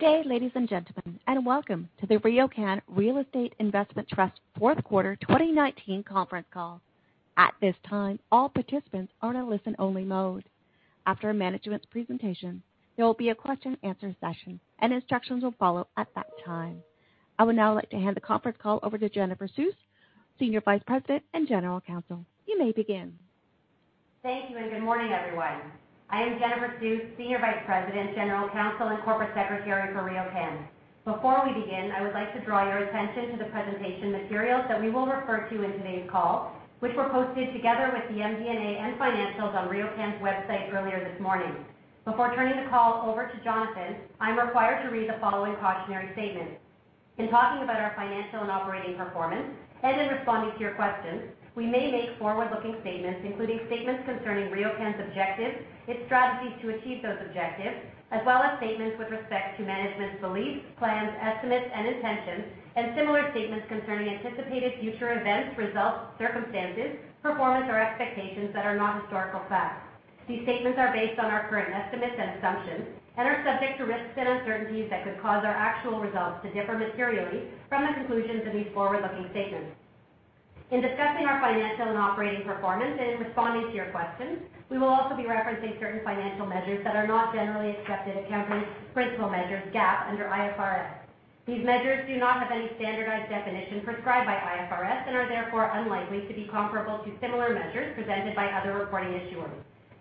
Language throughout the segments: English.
Good day, ladies and gentlemen, and welcome to the RioCan Real Estate Investment Trust fourth quarter 2019 conference call. At this time, all participants are in a listen-only mode. After management's presentation, there will be a question and answer session, and instructions will follow at that time. I would now like to hand the conference call over to Jennifer Suess, Senior Vice President and General Counsel. You may begin. Thank you, good morning, everyone. I am Jennifer Suess, Senior Vice President, General Counsel, and Corporate Secretary for RioCan. Before we begin, I would like to draw your attention to the presentation materials that we will refer to in today's call, which were posted together with the MD&A and financials on RioCan's website earlier this morning. Before turning the call over to Jonathan, I'm required to read the following cautionary statement. In talking about our financial and operating performance and in responding to your questions, we may make forward-looking statements, including statements concerning RioCan's objectives, its strategies to achieve those objectives, as well as statements with respect to management's beliefs, plans, estimates, and intentions, and similar statements concerning anticipated future events, results, circumstances, performance, or expectations that are not historical facts. These statements are based on our current estimates and assumptions and are subject to risks and uncertainties that could cause our actual results to differ materially from the conclusions of these forward-looking statements. In discussing our financial and operating performance and in responding to your questions, we will also be referencing certain financial measures that are not generally accepted accounting principle measures, GAAP, under IFRS. These measures do not have any standardized definition prescribed by IFRS and are therefore unlikely to be comparable to similar measures presented by other reporting issuers.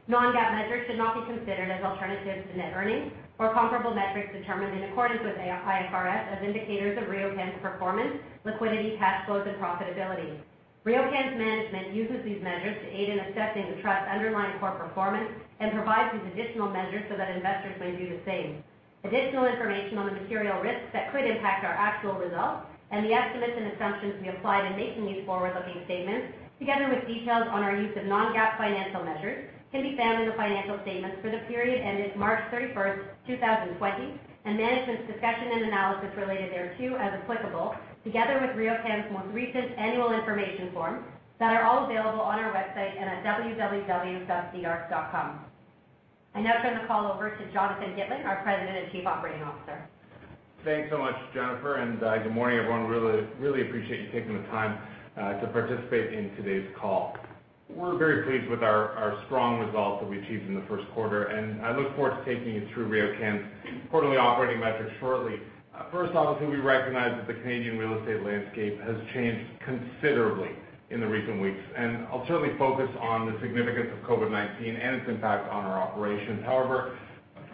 Non-GAAP measures should not be considered as alternatives to net earnings or comparable metrics determined in accordance with IFRS as indicators of RioCan's performance, liquidity, cash flows, and profitability. RioCan's management uses these measures to aid in assessing the trust's underlying core performance and provides these additional measures so that investors may do the same. Additional information on the material risks that could impact our actual results and the estimates and assumptions we applied in making these forward-looking statements, together with details on our use of non-GAAP financial measures, can be found in the financial statements for the period ended March 31st, 2020, and management's discussion and analysis related thereto, as applicable, together with RioCan's most recent annual information form, that are all available on our website and at www.riocan.com. I now turn the call over to Jonathan Gitlin, our President and Chief Operating Officer. Thanks so much, Jennifer, and good morning, everyone. Really appreciate you taking the time to participate in today's call. We're very pleased with our strong results that we achieved in the first quarter, and I look forward to taking you through RioCan's quarterly operating metrics shortly. First off, we recognize that the Canadian real estate landscape has changed considerably in the recent weeks, and I'll certainly focus on the significance of COVID-19 and its impact on our operations. However,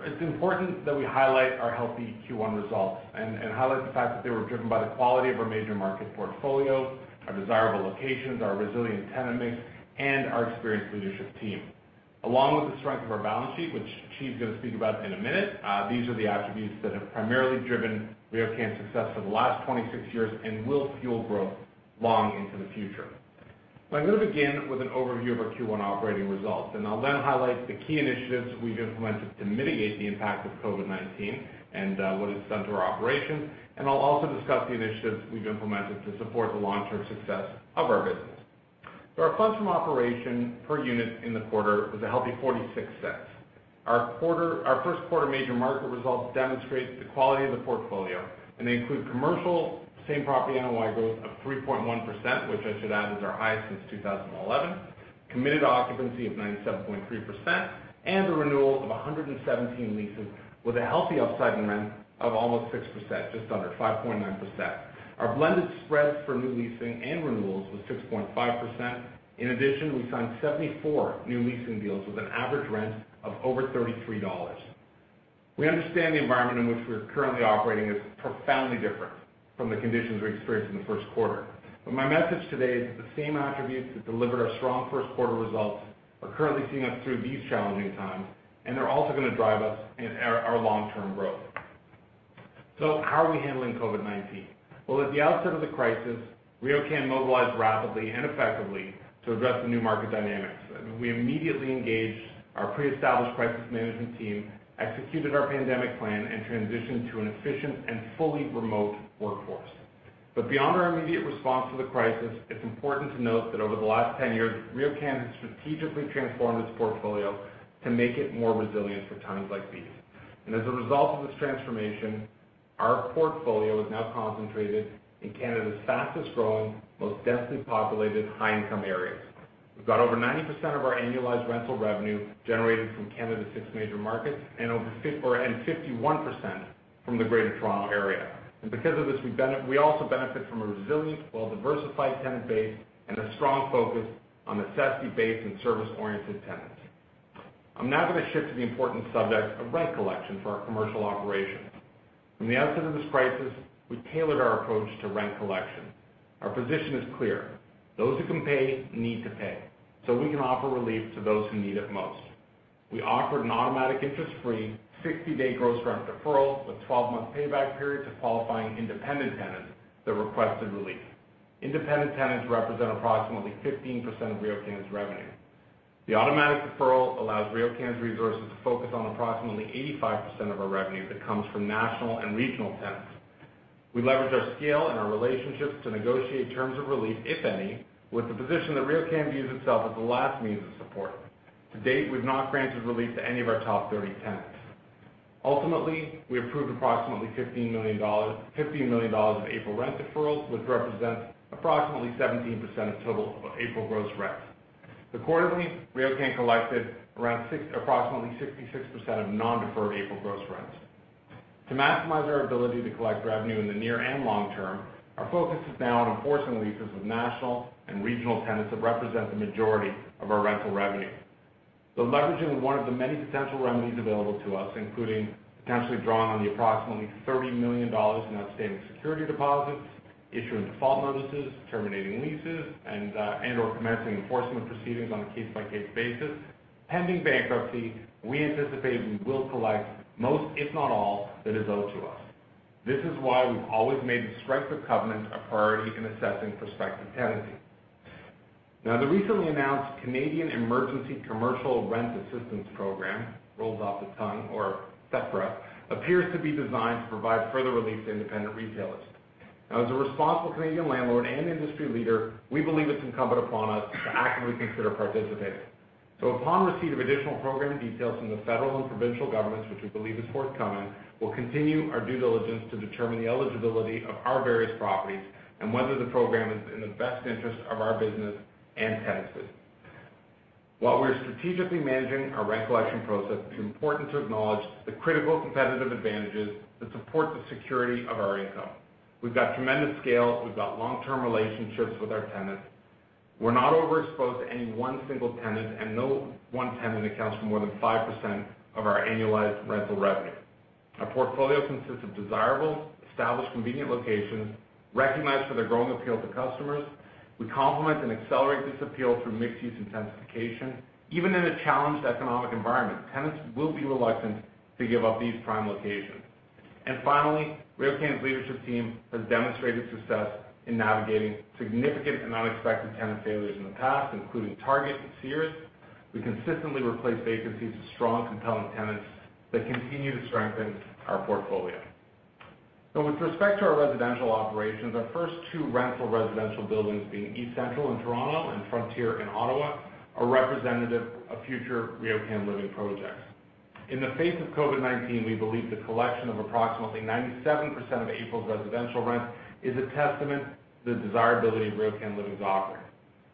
it's important that we highlight our healthy Q1 results and highlight the fact that they were driven by the quality of our major market portfolio, our desirable locations, our resilient tenant mix, and our experienced leadership team. Along with the strength of our balance sheet, which Qi's going to speak about in a minute, these are the attributes that have primarily driven RioCan's success for the last 26 years and will fuel growth long into the future. I'm going to begin with an overview of our Q1 operating results, and I'll then highlight the key initiatives we've implemented to mitigate the impact of COVID-19 and what it's done to our operations. I'll also discuss the initiatives we've implemented to support the long-term success of our business. Our funds from operation per unit in the quarter was a healthy 0.46. Our first quarter major market results demonstrate the quality of the portfolio. They include commercial same property NOI growth of 3.1%, which I should add is our highest since 2011, committed occupancy of 97.3%, and a renewal of 117 leases with a healthy upside in rent of almost 6%, just under, 5.9%. Our blended spreads for new leasing and renewals was 6.5%. In addition, we signed 74 new leasing deals with an average rent of over 33 dollars. We understand the environment in which we're currently operating is profoundly different from the conditions we experienced in the first quarter. My message today is that the same attributes that delivered our strong first quarter results are currently seeing us through these challenging times. They're also going to drive us in our long-term growth. How are we handling COVID-19? Well, at the outset of the crisis, RioCan mobilized rapidly and effectively to address the new market dynamics. We immediately engaged our pre-established crisis management team, executed our pandemic plan, and transitioned to an efficient and fully remote workforce. Beyond our immediate response to the crisis, it's important to note that over the last 10 years, RioCan has strategically transformed its portfolio to make it more resilient for times like these. As a result of this transformation, our portfolio is now concentrated in Canada's fastest-growing, most densely populated, high-income areas. We've got over 90% of our annualized rental revenue generated from Canada's six major markets and 51% from the Greater Toronto Area. Because of this, we also benefit from a resilient, well-diversified tenant base and a strong focus on necessity-based and service-oriented tenants. I am now going to shift to the important subject of rent collection for our commercial operations. From the outset of this crisis, we tailored our approach to rent collection. Our position is clear. Those who can pay need to pay so we can offer relief to those who need it most. We offered an automatic, interest-free, 60-day gross rent deferral with 12-month payback period to qualifying independent tenants that requested relief. Independent tenants represent approximately 15% of RioCan's revenue. The automatic deferral allows RioCan's resources to focus on approximately 85% of our revenue that comes from national and regional tenants. We leverage our scale and our relationships to negotiate terms of relief, if any, with the position that RioCan views itself as a last means of support. To date, we have not granted relief to any of our top 30 tenants. Ultimately, we approved approximately 15 million dollars of April rent deferrals, which represents approximately 17% of total April gross rent. RioCan collected around approximately 66% of non-deferred April gross rents. To maximize our ability to collect revenue in the near and long term, our focus is now on enforcing leases with national and regional tenants that represent the majority of our rental revenue. Leveraging one of the many potential remedies available to us, including potentially drawing on the approximately 30 million dollars in outstanding security deposits, issuing default notices, terminating leases, and/or commencing enforcement proceedings on a case-by-case basis, pending bankruptcy, we anticipate we will collect most, if not all, that is owed to us. This is why we've always made the strength of covenant a priority in assessing prospective tenancy. The recently announced Canada Emergency Commercial Rent Assistance Program, rolls off the tongue, or CECRA, appears to be designed to provide further relief to independent retailers. As a responsible Canadian landlord and industry leader, we believe it's incumbent upon us to actively consider participating. Upon receipt of additional program details from the federal and provincial governments, which we believe is forthcoming, we'll continue our due diligence to determine the eligibility of our various properties and whether the program is in the best interest of our business and tenants. We're strategically managing our rent collection process, it's important to acknowledge the critical competitive advantages that support the security of our income. We've got tremendous scale. We've got long-term relationships with our tenants. We're not overexposed to any one single tenant, and no one tenant accounts for more than 5% of our annualized rental revenue. Our portfolio consists of desirable, established, convenient locations recognized for their growing appeal to customers. We complement and accelerate this appeal through mixed-use intensification. Even in a challenged economic environment, tenants will be reluctant to give up these prime locations. Finally, RioCan's leadership team has demonstrated success in navigating significant and unexpected tenant failures in the past, including Target and Sears. We consistently replace vacancies with strong, compelling tenants that continue to strengthen our portfolio. With respect to our residential operations, our first two rental residential buildings, being East Central in Toronto and Frontier in Ottawa, are representative of future RioCan Living projects. In the face of COVID-19, we believe the collection of approximately 97% of April's residential rent is a testament to the desirability of RioCan Living's offering.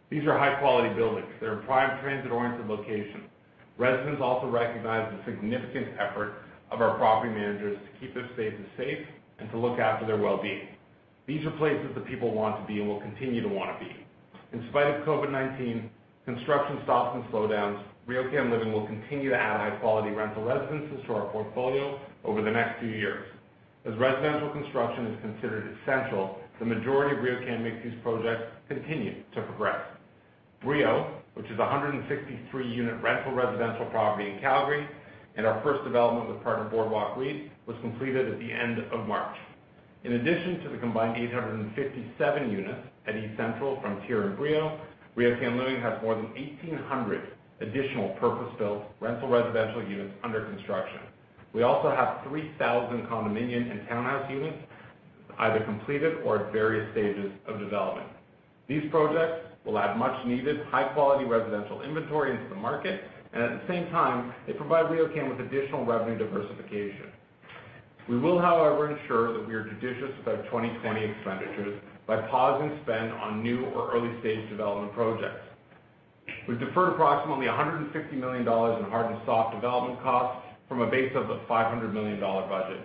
These are high-quality buildings. They're in prime transit-oriented locations. Residents also recognize the significant effort of our property managers to keep their spaces safe and to look after their well-being. These are places that people want to be and will continue to want to be. In spite of COVID-19, construction stops and slowdowns, RioCan Living will continue to add high-quality rental residences to our portfolio over the next few years. As residential construction is considered essential, the majority of RioCan mixed-use projects continue to progress. Brio, which is 163-unit rental residential property in Calgary, and our first development with partner Boardwalk REIT, was completed at the end of March. In addition to the combined 857 units at East Central, Frontier, and Brio, RioCan Living has more than 1,800 additional purpose-built rental residential units under construction. We also have 3,000 condominium and townhouse units, either completed or at various stages of development. These projects will add much needed high-quality residential inventory into the market, and at the same time, they provide RioCan with additional revenue diversification. We will, however, ensure that we are judicious about 2020 expenditures by pausing spend on new or early-stage development projects. We've deferred approximately 150 million dollars in hard and soft development costs from a base of a 500 million dollar budget.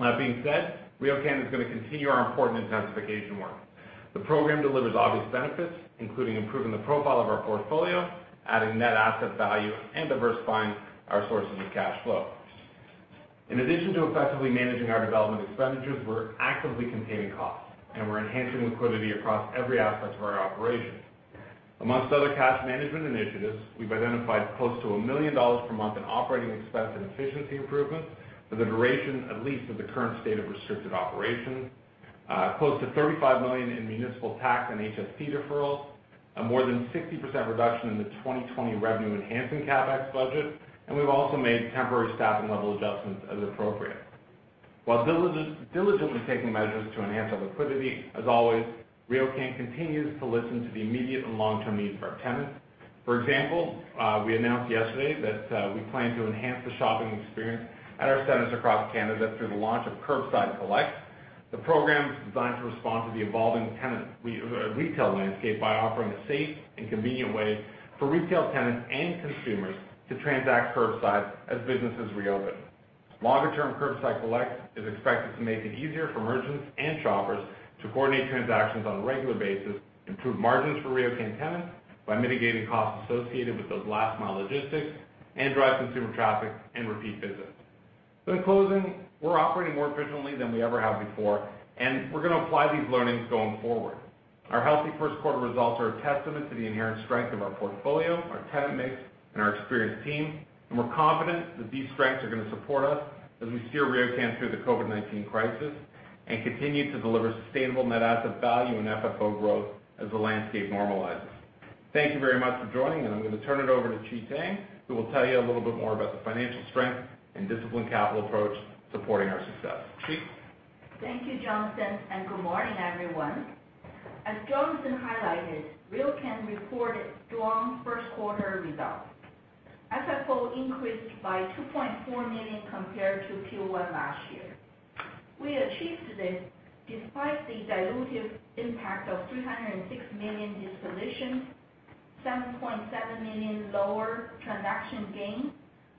That being said, RioCan is going to continue our important intensification work. The program delivers obvious benefits, including improving the profile of our portfolio, adding net asset value, and diversifying our sources of cash flow. In addition to effectively managing our development expenditures, we're actively containing costs, and we're enhancing liquidity across every aspect of our operations. Amongst other cash management initiatives, we've identified close to 1 million dollars per month in operating expense and efficiency improvements for the duration at least of the current state of restricted operations, close to 35 million in municipal tax and HST deferrals, a more than 60% reduction in the 2020 revenue enhancing CapEx budget, and we've also made temporary staffing level adjustments as appropriate. While diligently taking measures to enhance our liquidity, as always, RioCan continues to listen to the immediate and long-term needs of our tenants. For example, we announced yesterday that we plan to enhance the shopping experience at our centers across Canada through the launch of Curbside Collect. The program is designed to respond to the evolving retail landscape by offering a safe and convenient way for retail tenants and consumers to transact curbside as businesses reopen. Longer term, Curbside Collect is expected to make it easier for merchants and shoppers to coordinate transactions on a regular basis, improve margins for RioCan tenants by mitigating costs associated with those last-mile logistics, and drive consumer traffic and repeat visits. In closing, we're operating more efficiently than we ever have before, and we're going to apply these learnings going forward. Our healthy first quarter results are a testament to the inherent strength of our portfolio, our tenant mix, and our experienced team. We're confident that these strengths are going to support us as we steer RioCan through the COVID-19 crisis and continue to deliver sustainable net asset value and FFO growth as the landscape normalizes. Thank you very much for joining. I'm going to turn it over to Qi Tang, who will tell you a little bit more about the financial strength and disciplined capital approach supporting our success. Qi? Thank you, Jonathan, and good morning, everyone. As Jonathan highlighted, RioCan reported strong first quarter results. FFO increased by 2.4 million compared to Q1 last year. We achieved this despite the dilutive impact of 306 million dispositions, 7.7 million lower transaction gain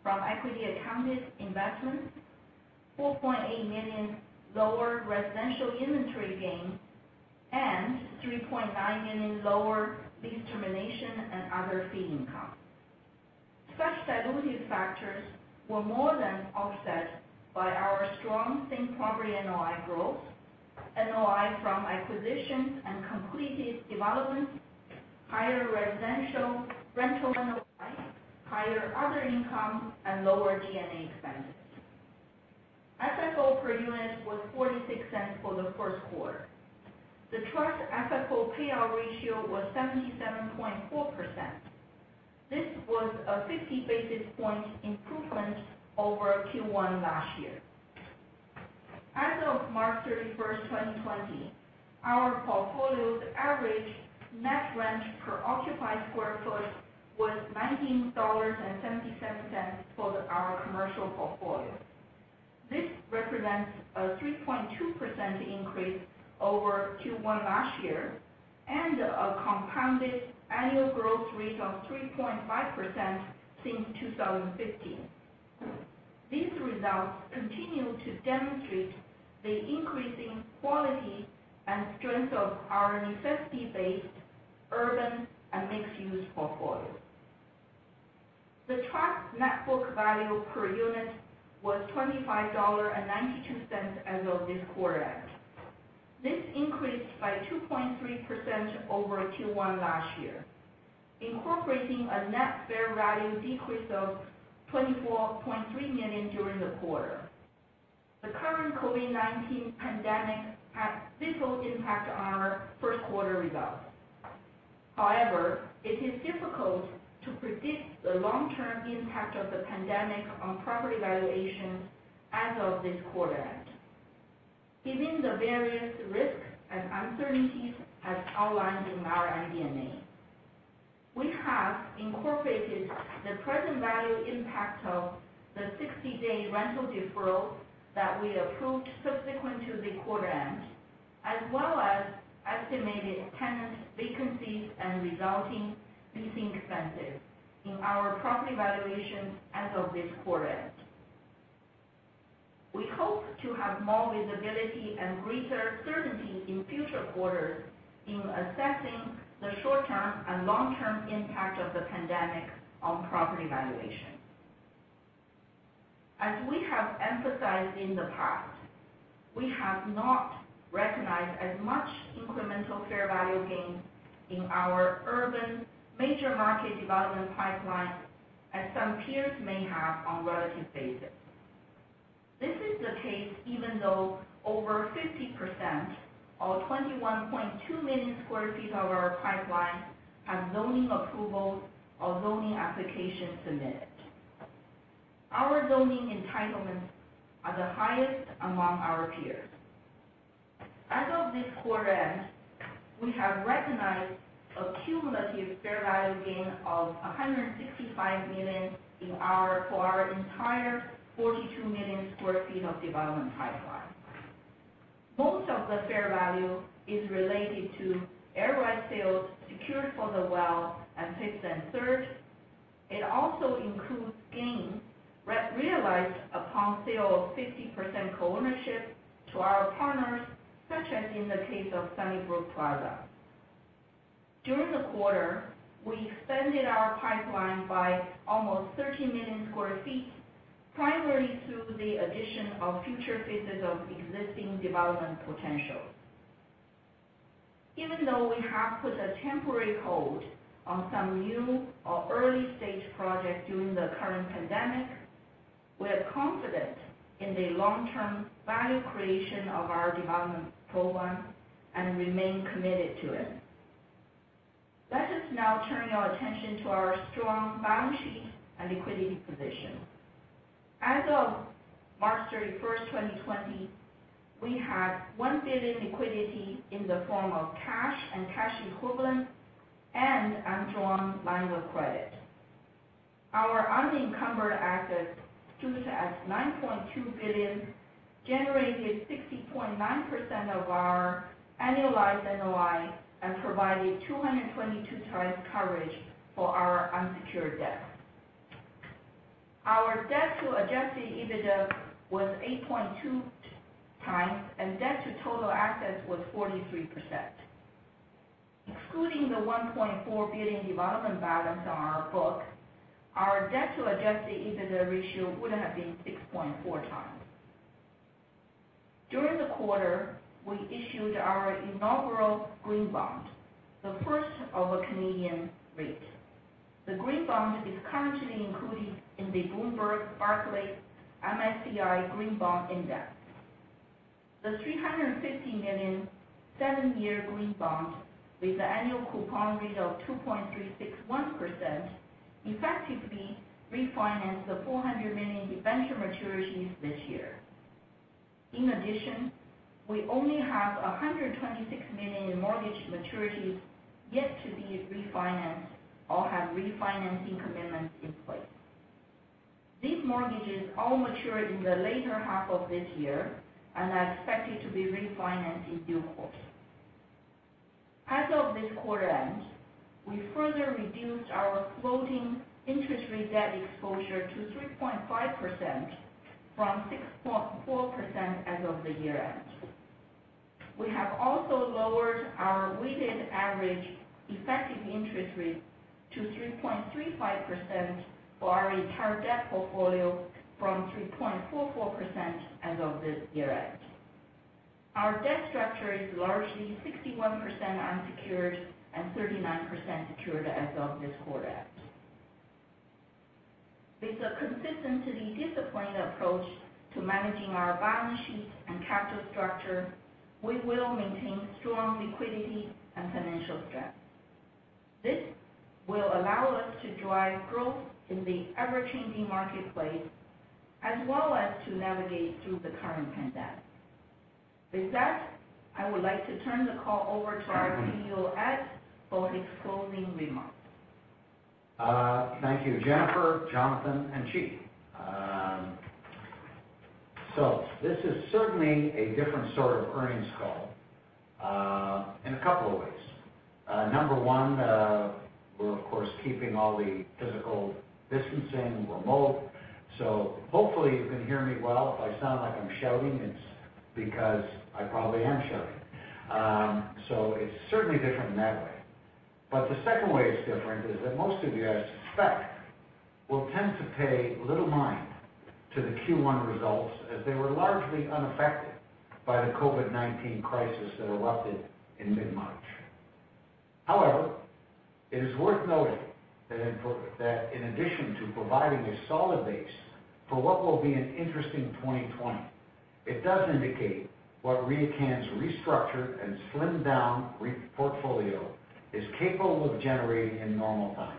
from equity accounted investments, 4.8 million lower residential inventory gains, and 3.9 million lower lease termination and other fee income. Such dilutive factors were more than offset by our strong same property NOI growth, NOI from acquisitions and completed developments, higher residential rental NOI, higher other income, and lower G&A expenses. FFO per unit was 0.46 for the first quarter. The trust FFO payout ratio was 77.4%. This was a 50-basis point improvement over Q1 last year. As of March 31st, 2020, our portfolio's average net rent per occupied square foot was 19.77 dollars for our commercial portfolio. This represents a 3.2% increase over Q1 last year, and a compounded annual growth rate of 3.5% since 2015. These results continue to demonstrate the increasing quality and strength of our necessity-based urban and mixed-use portfolio. The trust net book value per unit was 25.92 dollars as of this quarter end. This increased by 2.3% over Q1 last year, incorporating a net fair value decrease of 24.3 million during the quarter. The current COVID-19 pandemic had little impact on our first quarter results. However, it is difficult to predict the long-term impact of the pandemic on property valuations as of this quarter end, given the various risks and uncertainties as outlined in our MD&A. We have incorporated the present value impact of the 60-day rental deferral that we approved subsequent to the quarter end, as well as estimated tenant vacancies and resulting leasing expenses in our property valuations as of this quarter end. We hope to have more visibility and greater certainty in future quarters in assessing the short-term and long-term impact of the pandemic on property valuation. As we have emphasized in the past, we have not recognized as much incremental fair value gains in our urban major market development pipeline as some peers may have on a relative basis. This is the case even though over 50%, or 21.2 million square feet of our pipeline have zoning approvals or zoning applications submitted. Our zoning entitlements are the highest among our peers. As of this quarter-end, we have recognized a cumulative fair value gain of 165 million for our entire 42 million square feet of development pipeline. Most of the fair value is related to air right sales secured for The Well and 5th & THIRD. It also includes gains realized upon sale of 50% co-ownership to our partners, such as in the case of Sunnybrook Plaza. During the quarter, we expanded our pipeline by almost 13 million square feet, primarily through the addition of future phases of existing development potential. Even though we have put a temporary hold on some new or early-stage projects during the current pandemic, we are confident in the long-term value creation of our development program and remain committed to it. Let us now turn your attention to our strong balance sheet and liquidity position. As of March 31st, 2020, we had 1 billion liquidity in the form of cash and cash equivalents, and undrawn line of credit. Our unencumbered assets stood at 9.2 billion, generated 60.9% of our annualized NOI, and provided 222x coverage for our unsecured debt. Our debt to adjusted EBITDA was 8.2x, and debt to total assets was 43%. Excluding the 1.4 billion development balance on our book, our debt to adjusted EBITDA ratio would have been 6.4x. During the quarter, we issued our inaugural green bond, the first of a Canadian REIT. The green bond is currently included in the Bloomberg Barclays MSCI Green Bond Index. The 350 million seven-year green bond with the annual coupon rate of 2.361%, effectively refinance the 400 million debenture maturities this year. In addition, we only have 126 million in mortgage maturities yet to be refinanced or have refinancing commitments in place. These mortgages all mature in the later half of this year and are expected to be refinanced in due course. As of this quarter end, we further reduced our floating interest rate debt exposure to 3.5% from 6.4% as of the year-end. We have also lowered our weighted average effective interest rate to 3.35% for our entire debt portfolio from 3.44% as of the year-end. Our debt structure is largely 61% unsecured and 39% secured as of this quarter end. With a consistently disciplined approach to managing our balance sheet and capital structure, we will maintain strong liquidity and financial strength. This will allow us to drive growth in the ever-changing marketplace, as well as to navigate through the current pandemic. With that, I would like to turn the call over to our CEO, Ed, for his closing remarks. Thank you, Jennifer, Jonathan, and Qi. This is certainly a different sort of earnings call in a couple of ways. Number one, we're of course keeping all the physical distancing remote, hopefully you can hear me well. If I sound like I'm shouting, it's because I probably am shouting. It's certainly different in that way. The second way it's different is that most of you, I suspect, will tend to pay little mind to the Q1 results as they were largely unaffected by the COVID-19 crisis that erupted in mid-March. However, it is worth noting that in addition to providing a solid base for what will be an interesting 2020, it does indicate what RioCan's restructured and slimmed down portfolio is capable of generating in normal times.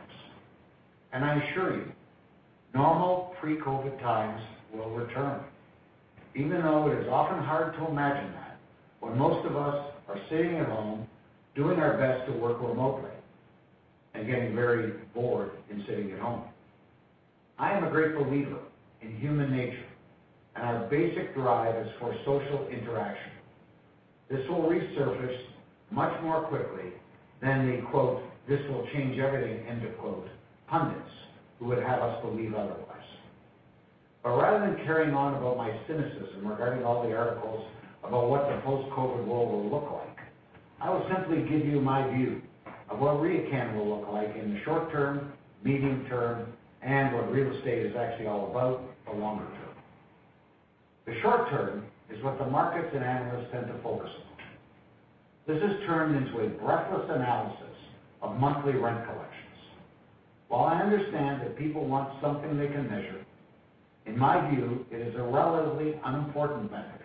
I assure you, normal pre-COVID times will return, even though it is often hard to imagine that when most of us are sitting at home doing our best to work remotely and getting very bored in sitting at home. I am a great believer in human nature, and our basic drive is for social interaction. This will resurface much more quickly than the quote, this will change everything, unquote, pundits who would have us believe otherwise. Rather than carrying on about my cynicism regarding all the articles about what the post-COVID world will look like, I will simply give you my view of what RioCan will look like in the short term, medium term, and what real estate is actually all about, the longer term. The short term is what the markets and analysts tend to focus on. This has turned into a breathless analysis of monthly rent collections. While I understand that people want something they can measure, in my view, it is a relatively unimportant metric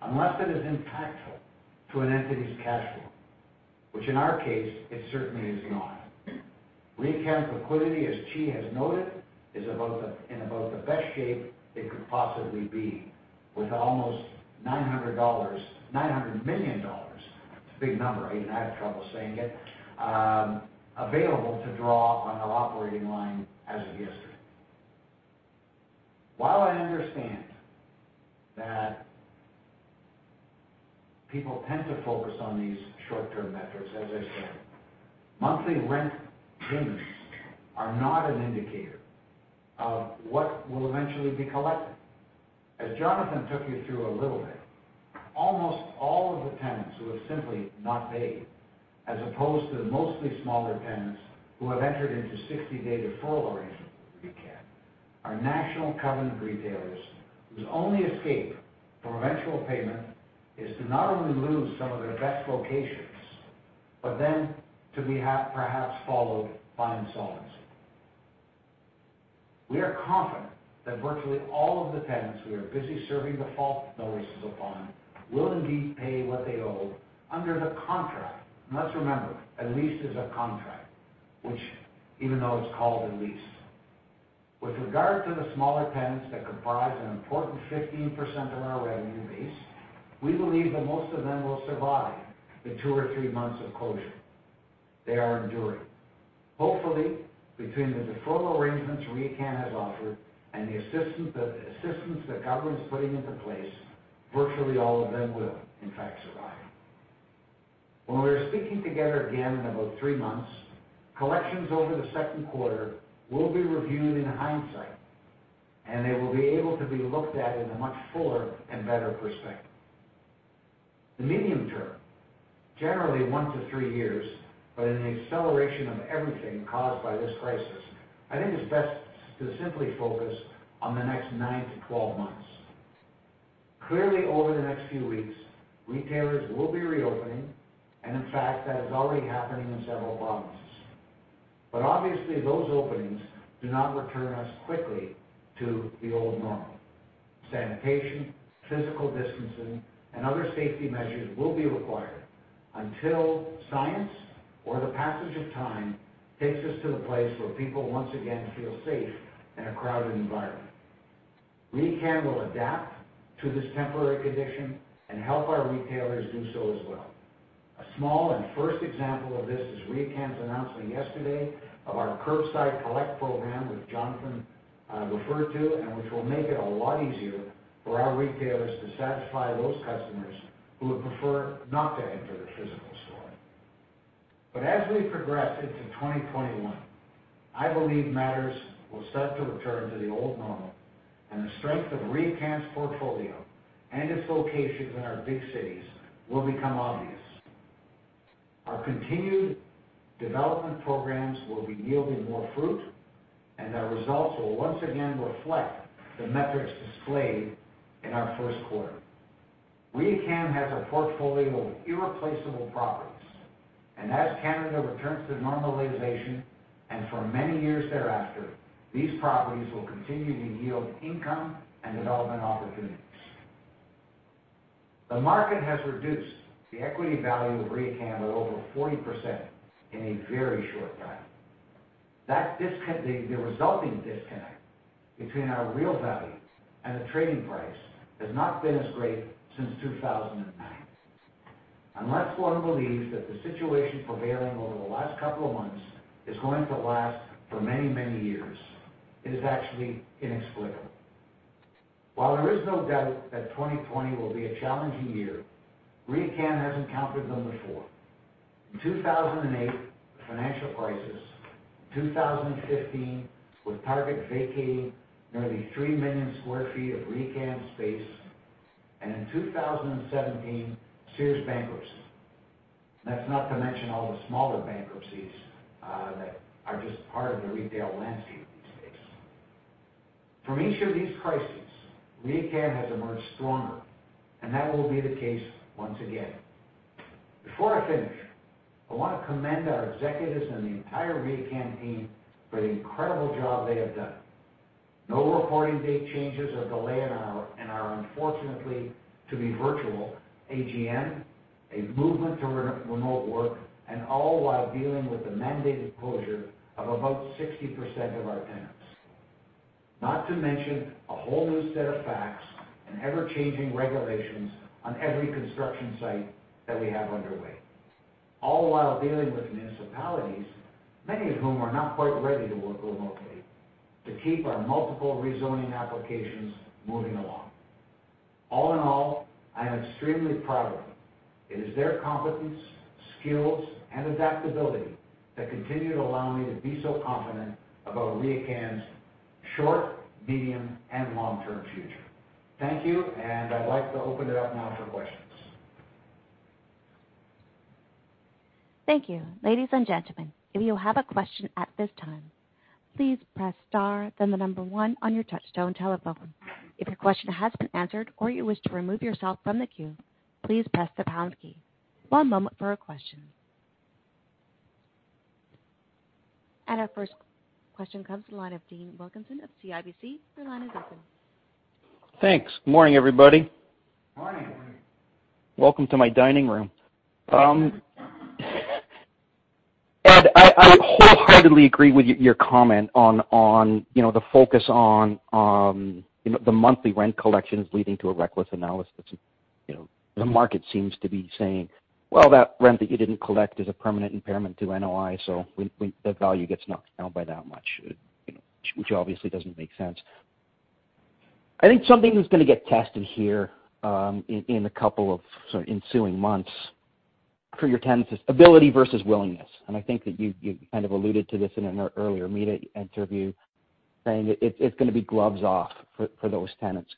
unless it is impactful to an entity's cash flow, which in our case, it certainly is not. RioCan liquidity, as Qi has noted, is in about the best shape it could possibly be, with almost 900 million dollars, it's a big number, even I have trouble saying it, available to draw on our operating line as of yesterday. While I understand that people tend to focus on these short-term metrics, as I said, monthly rent gains are not an indicator of what will eventually be collected. As Jonathan took you through a little bit, almost all of the tenants who have simply not paid, as opposed to the mostly smaller tenants who have entered into 60-day deferral arrangements with RioCan, are national covenant retailers whose only escape from eventual payment is to not only lose some of their best locations, but then to be perhaps followed by insolvency. We are confident that virtually all of the tenants we are busy serving default notices upon will indeed pay what they owe under the contract. Let's remember, a lease is a contract, which even though it's called a lease. With regard to the smaller tenants that comprise an important 15% of our revenue base, we believe that most of them will survive the two or three months of closure they are enduring. Hopefully, between the deferral arrangements RioCan has offered and the assistance the government is putting into place, virtually all of them will in fact survive. When we are speaking together again in about three months, collections over the second quarter will be reviewed in hindsight, and they will be able to be looked at in a much fuller and better perspective. The medium term, generally one to three years, but in the acceleration of everything caused by this crisis, I think it's best to simply focus on the next 9-12 months. Clearly, over the next few weeks, retailers will be reopening, and in fact, that is already happening in several provinces. Obviously those openings do not return us quickly to the old normal. Sanitation, physical distancing, and other safety measures will be required until science or the passage of time takes us to the place where people once again feel safe in a crowded environment. RioCan will adapt to this temporary condition and help our retailers do so as well. A small and first example of this is RioCan's announcement yesterday of our Curbside Collect program, which Jonathan referred to, and which will make it a lot easier for our retailers to satisfy those customers who would prefer not to enter the physical store. As we progress into 2021, I believe matters will start to return to the old normal, and the strength of RioCan's portfolio and its locations in our big cities will become obvious. Our continued development programs will be yielding more fruit, and our results will once again reflect the metrics displayed in our first quarter. RioCan has a portfolio of irreplaceable properties, and as Canada returns to normalization, and for many years thereafter, these properties will continue to yield income and development opportunities. The market has reduced the equity value of RioCan by over 40% in a very short time. The resulting disconnect between our real value and the trading price has not been as great since 2009. Unless one believes that the situation prevailing over the last couple of months is going to last for many years, it is actually inexplicable. While there is no doubt that 2020 will be a challenging year, RioCan has encountered them before. In 2008, the financial crisis, 2015, with Target vacating nearly 3 million square feet of RioCan space, and in 2017, Sears bankruptcy. That's not to mention all the smaller bankruptcies that are just part of the retail landscape these days. From each of these crises, RioCan has emerged stronger, and that will be the case once again. Before I finish, I want to commend our executives and the entire RioCan team for the incredible job they have done. No reporting date changes or delay in our unfortunately to-be virtual AGM, a movement to remote work, and all while dealing with the mandated closure of about 60% of our tenants. Not to mention a whole new set of facts and ever-changing regulations on every construction site that we have underway, all while dealing with municipalities, many of whom are not quite ready to work remotely, to keep our multiple re-zoning applications moving along. All in all, I am extremely proud of them. It is their competence, skills, and adaptability that continue to allow me to be so confident about RioCan's short, medium, and long-term future. Thank you, and I'd like to open it up now for questions. Thank you. Ladies and gentlemen, if you have a question at this time, please press star then the number one on your touch-tone telephone. If your question has been answered or you wish to remove yourself from the queue, please press the pound key. One moment for a question. Our first question comes to the line of Dean Wilkinson of CIBC. Your line is open. Thanks. Morning, everybody. Welcome to my dining room. Ed, I wholeheartedly agree with your comment on the focus on the monthly rent collections leading to a reckless analysis. The market seems to be saying, well, that rent that you didn't collect is a permanent impairment to NOI, so the value gets knocked down by that much. Which obviously doesn't make sense. I think something that's going to get tested here in the couple of ensuing months for your tenants is ability versus willingness. I think that you kind of alluded to this in an earlier media interview, saying it's going to be gloves off for those tenants.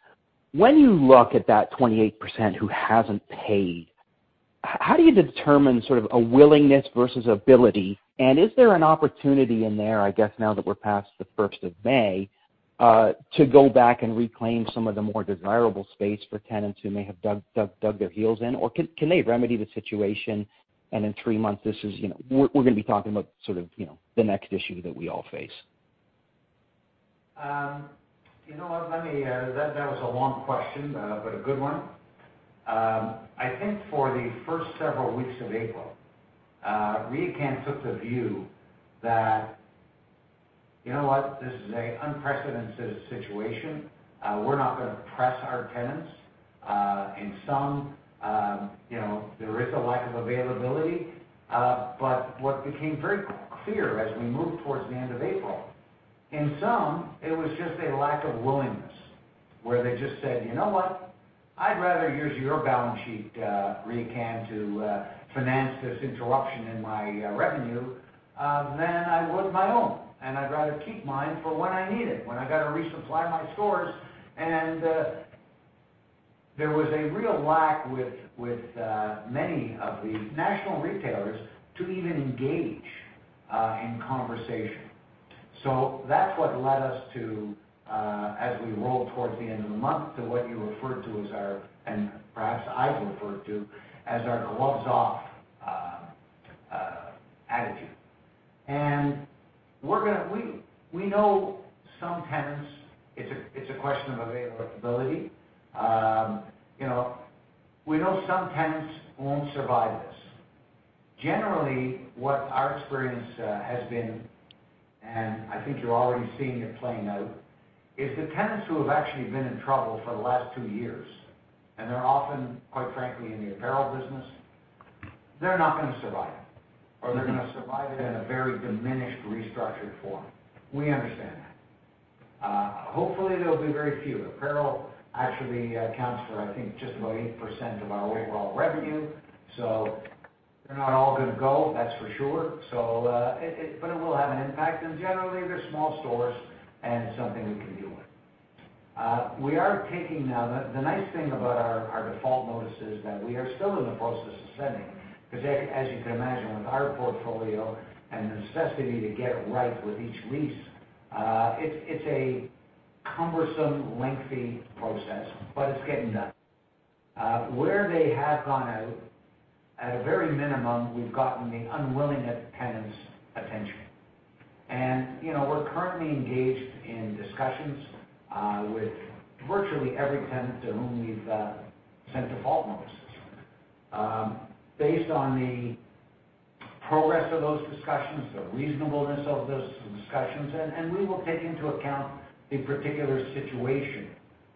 When you look at that 28% who hasn't paid, how do you determine sort of a willingness versus ability? Is there an opportunity in there, I guess now that we're past the 1st of May, to go back and reclaim some of the more desirable space for tenants who may have dug their heels in? Can they remedy the situation and in three months, we're going to be talking about sort of the next issue that we all face? That was a long question, but a good one. I think for the first several weeks of April, RioCan took the view that this is an unprecedented situation. We're not going to press our tenants. In some, there is a lack of availability. What became very clear as we moved towards the end of April. In some, it was just a lack of willingness, where they just said, you know what? I'd rather use your balance sheet, RioCan, to finance this interruption in my revenue than I would my own, and I'd rather keep mine for when I need it, when I got to resupply my stores. There was a real lack with many of the national retailers to even engage in conversation. That's what led us to, as we roll towards the end of the month, to what you referred to as our, and perhaps I've referred to, as our gloves-off attitude. We know some tenants, it's a question of availability. We know some tenants won't survive this. Generally, what our experience has been, and I think you're already seeing it playing out, is the tenants who have actually been in trouble for the last two years, and they're often, quite frankly, in the apparel business, they're not going to survive, or they're going to survive it in a very diminished, restructured form. We understand that. Hopefully, there'll be very few. Apparel actually accounts for, I think, just about 8% of our overall revenue. They're not all going to go, that's for sure. It will have an impact, and generally, they're small stores and something we can deal with. The nice thing about our default notice is that we are still in the process of sending, because as you can imagine, with our portfolio and the necessity to get it right with each lease, it's a cumbersome, lengthy process, but it's getting done. Where they have gone out, at a very minimum, we've gotten the unwilling tenants' attention. We're currently engaged in discussions with virtually every tenant to whom we've sent default notices. Based on the progress of those discussions, the reasonableness of those discussions, and we will take into account the particular situation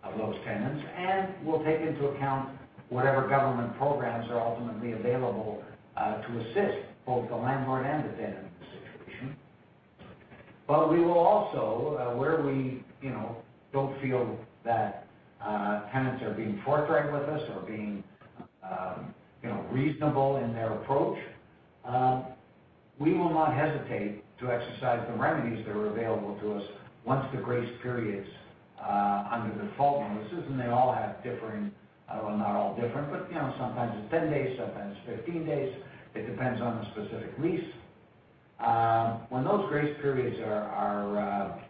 of those tenants, and we'll take into account whatever government programs are ultimately available to assist both the landlord and the tenant in this situation. We will also, where we don't feel that tenants are being forthright with us or being reasonable in their approach, we will not hesitate to exercise the remedies that are available to us once the grace period is under default notices, and they all have differing, well, not all different, but sometimes it's 10 days, sometimes 15 days. It depends on the specific lease. When those grace periods are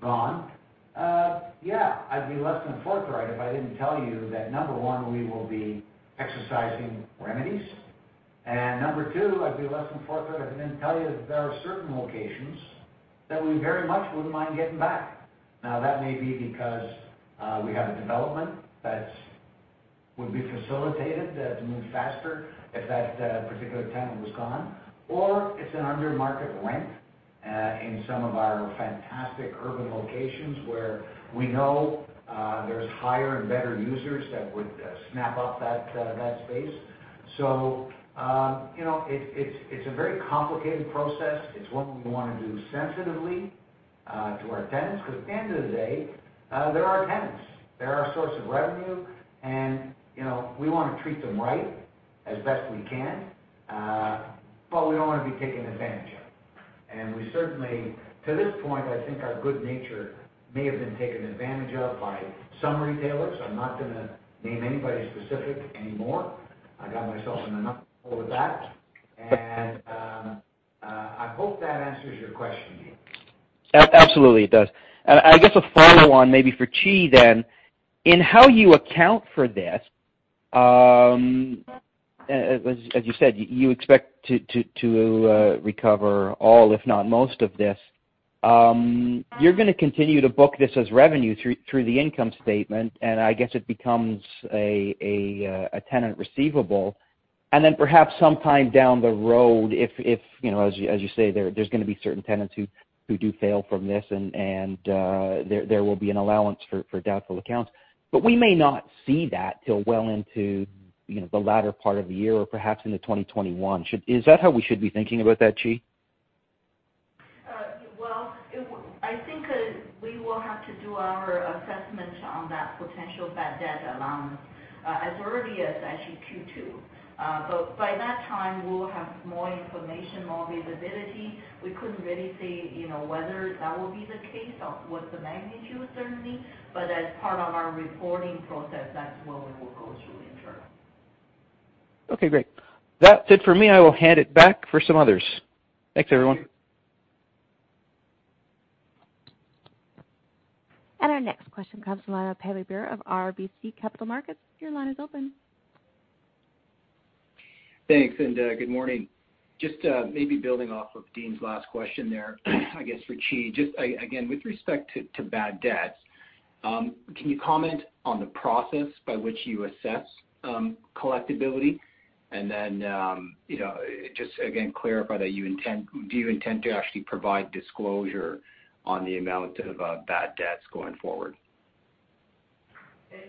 gone, yeah, I'd be less than forthright if I didn't tell you that, number one, we will be exercising remedies, and number two, I'd be less than forthright if I didn't tell you that there are certain locations that we very much wouldn't mind getting back. Now, that may be because we have a development that would be facilitated to move faster if that particular tenant was gone, or it's an under-market rent in some of our fantastic urban locations where we know there's higher and better users that would snap up that space. It's a very complicated process. It's one we want to do sensitively to our tenants because at the end of the day, they're our tenants. They're our source of revenue, and we want to treat them right as best we can. We don't want to be taken advantage of. We certainly, to this point, I think our good nature may have been taken advantage of by some retailers. I'm not going to name anybody specific anymore. I got myself in enough trouble with that. I hope that answers your question, Dean. Absolutely, it does. I guess a follow on maybe for Qi. In how you account for this, as you said, you expect to recover all, if not most of this. You're going to continue to book this as revenue through the income statement. I guess it becomes a tenant receivable. Perhaps sometime down the road, as you say, there's going to be certain tenants who do fail from this, and there will be an allowance for doubtful accounts. We may not see that until well into the latter part of the year or perhaps into 2021. Is that how we should be thinking about that, Qi? Well, I think we will have to do our assessment on that potential bad debt allowance as early as actually Q2. By that time, we'll have more information, more visibility. We couldn't really say whether that will be the case or what the magnitude will certainly be. As part of our reporting process, that's when we will go through internally. Okay, great. That's it for me. I will hand it back for some others. Thanks, everyone. Our next question comes from Pammi Bir of RBC Capital Markets. Your line is open. Thanks, and good morning. Just maybe building off of Dean's last question there, I guess for Qi, just again, with respect to bad debts, can you comment on the process by which you assess collectability? Then, just again, clarify, do you intend to actually provide disclosure on the amount of bad debts going forward?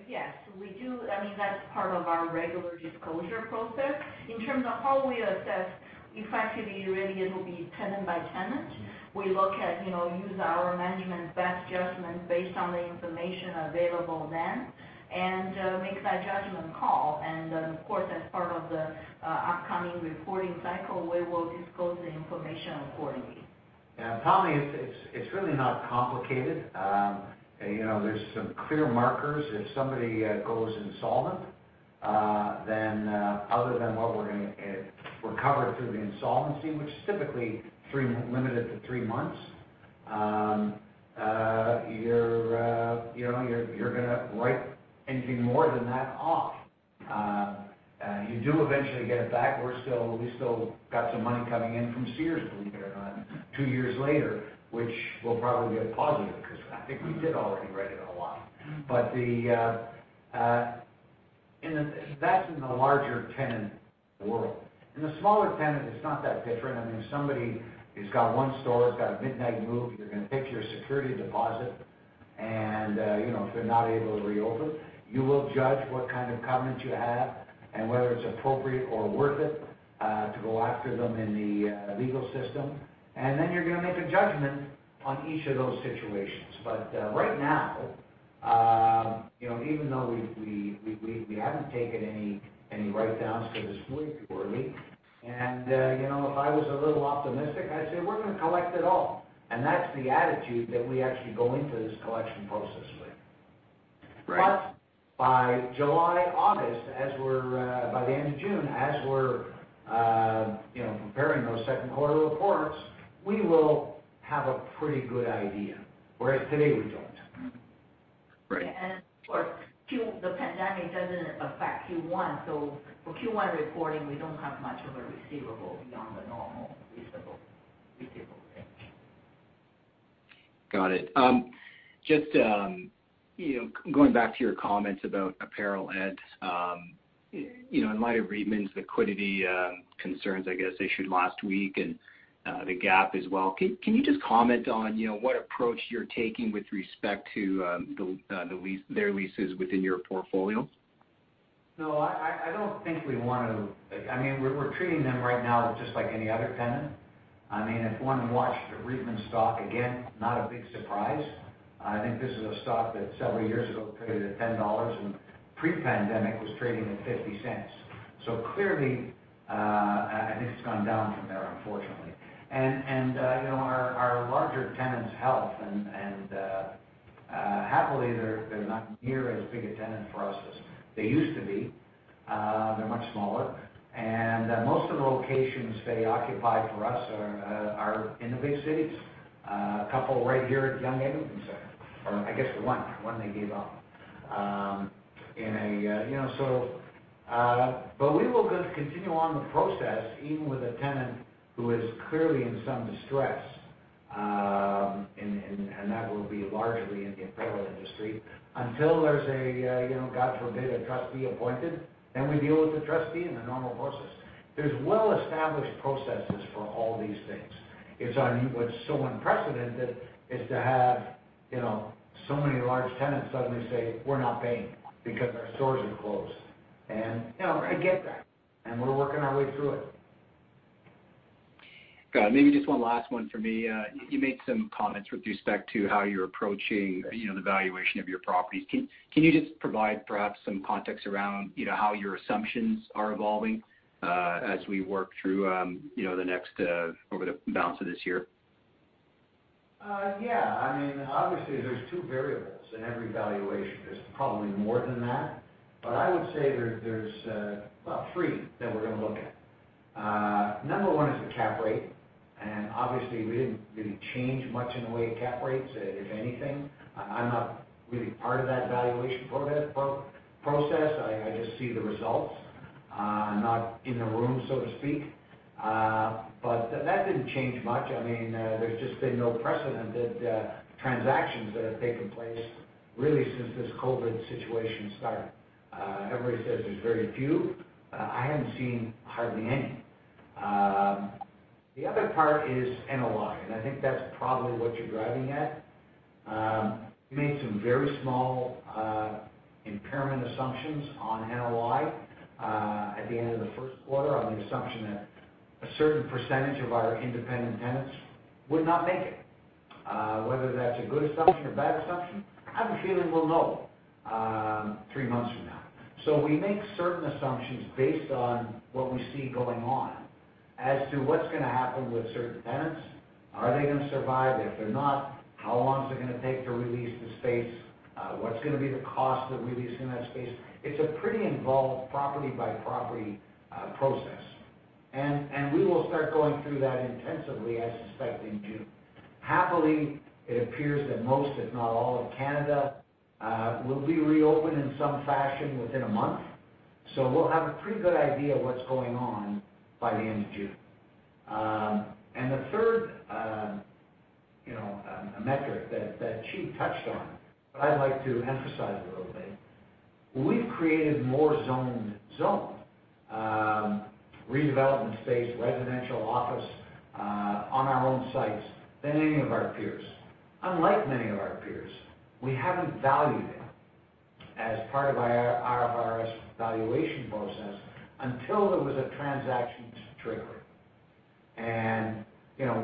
Yes. We do. That's part of our regular disclosure process. In terms of how we assess, effectively, really, it will be tenant by tenant. We use our management best judgment based on the information available then and make that judgment call. Of course, as part of the upcoming reporting cycle, we will disclose the information accordingly. Yeah, Tommy, it's really not complicated. There's some clear markers. If somebody goes insolvent. Other than what we're going to recover through the insolvency, which is typically limited to three months, you're going to write anything more than that off. You do eventually get it back. We still got some money coming in from Sears, believe it or not, two years later, which we'll probably get positive because I think we did already write it off. That's in the larger tenant world. In the smaller tenant, it's not that different. Somebody has got one store, it's got a midnight move. You're going to take your security deposit, and if they're not able to reopen, you will judge what kind of covenant you have and whether it's appropriate or worth it to go after them in the legal system. Then you're going to make a judgment on each of those situations. Right now, even though we haven't taken any write-downs for this quarter, and if I was a little optimistic, I'd say we're going to collect it all. That's the attitude that we actually go into this collection process with. By July, August, by the end of June, as we're preparing those second quarter reports, we will have a pretty good idea. Whereas today we don't. Right. Of course, the pandemic doesn't affect Q1, so for Q1 reporting, we don't have much of a receivable beyond the normal receivable position. Got it. Just going back to your comments about apparel, Ed. In light of Reitmans liquidity concerns, I guess, issued last week and the Gap as well, can you just comment on what approach you're taking with respect to their leases within your portfolio? We're treating them right now just like any other tenant. If one watched the Reitmans stock, again, not a big surprise. I think this is a stock that several years ago traded at 10 dollars. Pre-pandemic was trading at 0.50. Clearly, it's gone down from there, unfortunately. Our larger tenants help. Happily, they're not near as big a tenant for us as they used to be. They're much smaller. Most of the locations they occupy for us are in the big cities. A couple right here at Yonge-Eglinton Centre, or I guess one. One they gave up. We will continue on the process, even with a tenant who is clearly in some distress, and that will be largely in the apparel industry, until there's a, God forbid, a trustee appointed, then we deal with the trustee in the normal courses. There's well-established processes for all these things. What's so unprecedented is to have so many large tenants suddenly say, we're not paying because our stores are closed. I get that, and we're working our way through it. Got it. Maybe just one last one for me. You made some comments with respect to how you're approaching the valuation of your properties. Can you just provide perhaps some context around how your assumptions are evolving as we work through the next, over the balance of this year? Obviously, there's two variables in every valuation. There's probably more than that. I would say there's about three that we're going to look at. Number one is the cap rate. Obviously, we didn't really change much in the way of cap rates, if anything. I'm not really part of that valuation process. I just see the results. I'm not in the room, so to speak. That didn't change much. There's just been no precedented transactions that have taken place, really since this COVID-19 situation started. Everybody says there's very few. I haven't seen hardly any. The other part is NOI, and I think that's probably what you're driving at. We made some very small impairment assumptions on NOI at the end of the first quarter on the assumption that a certain percentage of our independent tenants would not make it. Whether that's a good assumption or bad assumption, I have a feeling we'll know three months from now. We make certain assumptions based on what we see going on as to what's going to happen with certain tenants. Are they going to survive? If they're not, how long is it going to take to re-lease the space? What's going to be the cost of re-leasing that space? It's a pretty involved property-by-property process. We will start going through that intensively, I suspect, in June. Happily, it appears that most, if not all of Canada, will be reopened in some fashion within a month. We'll have a pretty good idea of what's going on by the end of June. The third metric that Qi touched on, but I'd like to emphasize a little bit. We've created more zoned re-development space, residential office on our own sites than any of our peers. Unlike many of our peers, we haven't valued it as part of our IFRS valuation process until there was a transaction to trigger it.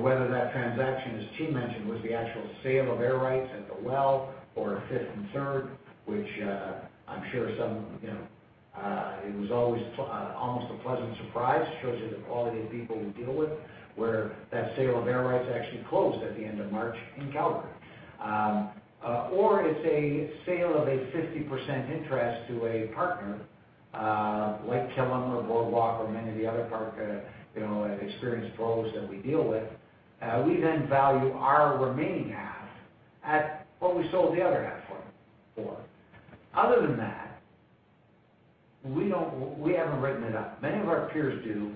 Whether that transaction, as Qi mentioned, was the actual sale of air rights at The Well or at 5th & THIRD, which I'm sure it was always almost a pleasant surprise, shows you the quality of people we deal with, where that sale of air rights actually closed at the end of March in Calgary, or it's a sale of a 50% interest to a partner like Killam or Boardwalk or many of the other partner experienced pros that we deal with. We value our remaining half at what we sold the other half for. Other than that, we haven't written it up. Many of our peers do,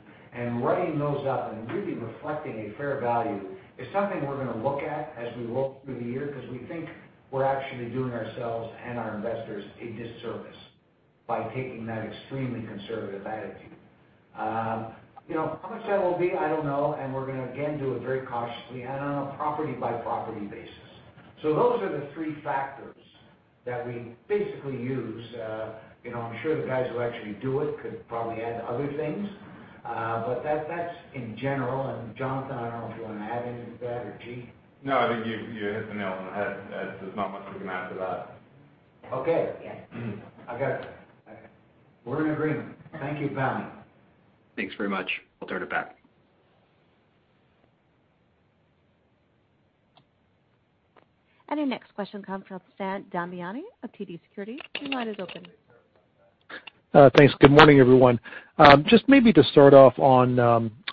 writing those up and really reflecting a fair value is something we're going to look at as we look through the year because we think we're actually doing ourselves and our investors a disservice by taking that extremely conservative attitude. How much that will be, I don't know, we're going to, again, do it very cautiously and on a property-by-property basis. Those are the three factors that we basically use. I'm sure the guys who actually do it could probably add other things. That's in general, Jonathan, I don't know if you want to add anything to that, or G? No, I think you hit the nail on the head, Ed. There's not much we can add to that. Okay. I got it. We're in agreement. Thank you, Pammi. Thanks very much. I'll turn it back. Our next question comes from Sam Damiani of TD Securities. Your line is open. Thanks. Good morning, everyone. Just maybe to start off on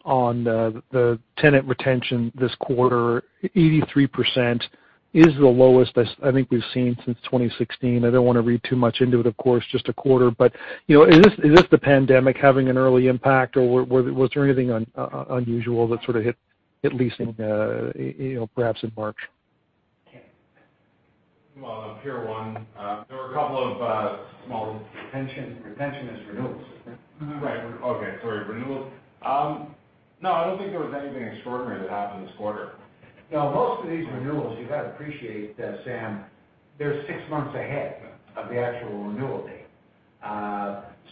the tenant retention this quarter, 83% is the lowest I think we've seen since 2016. I don't want to read too much into it, of course, just a quarter. Is this the pandemic having an early impact, or was there anything unusual that sort of hit leasing perhaps in March? Well, on [peer] one, there were a couple of small retention. Retention is renewals, isn't it? Right. Okay, sorry, renewals. No, I don't think there was anything extraordinary that happened this quarter. Most of these renewals, you've got to appreciate that, Sam, they're six months ahead of the actual renewal date. I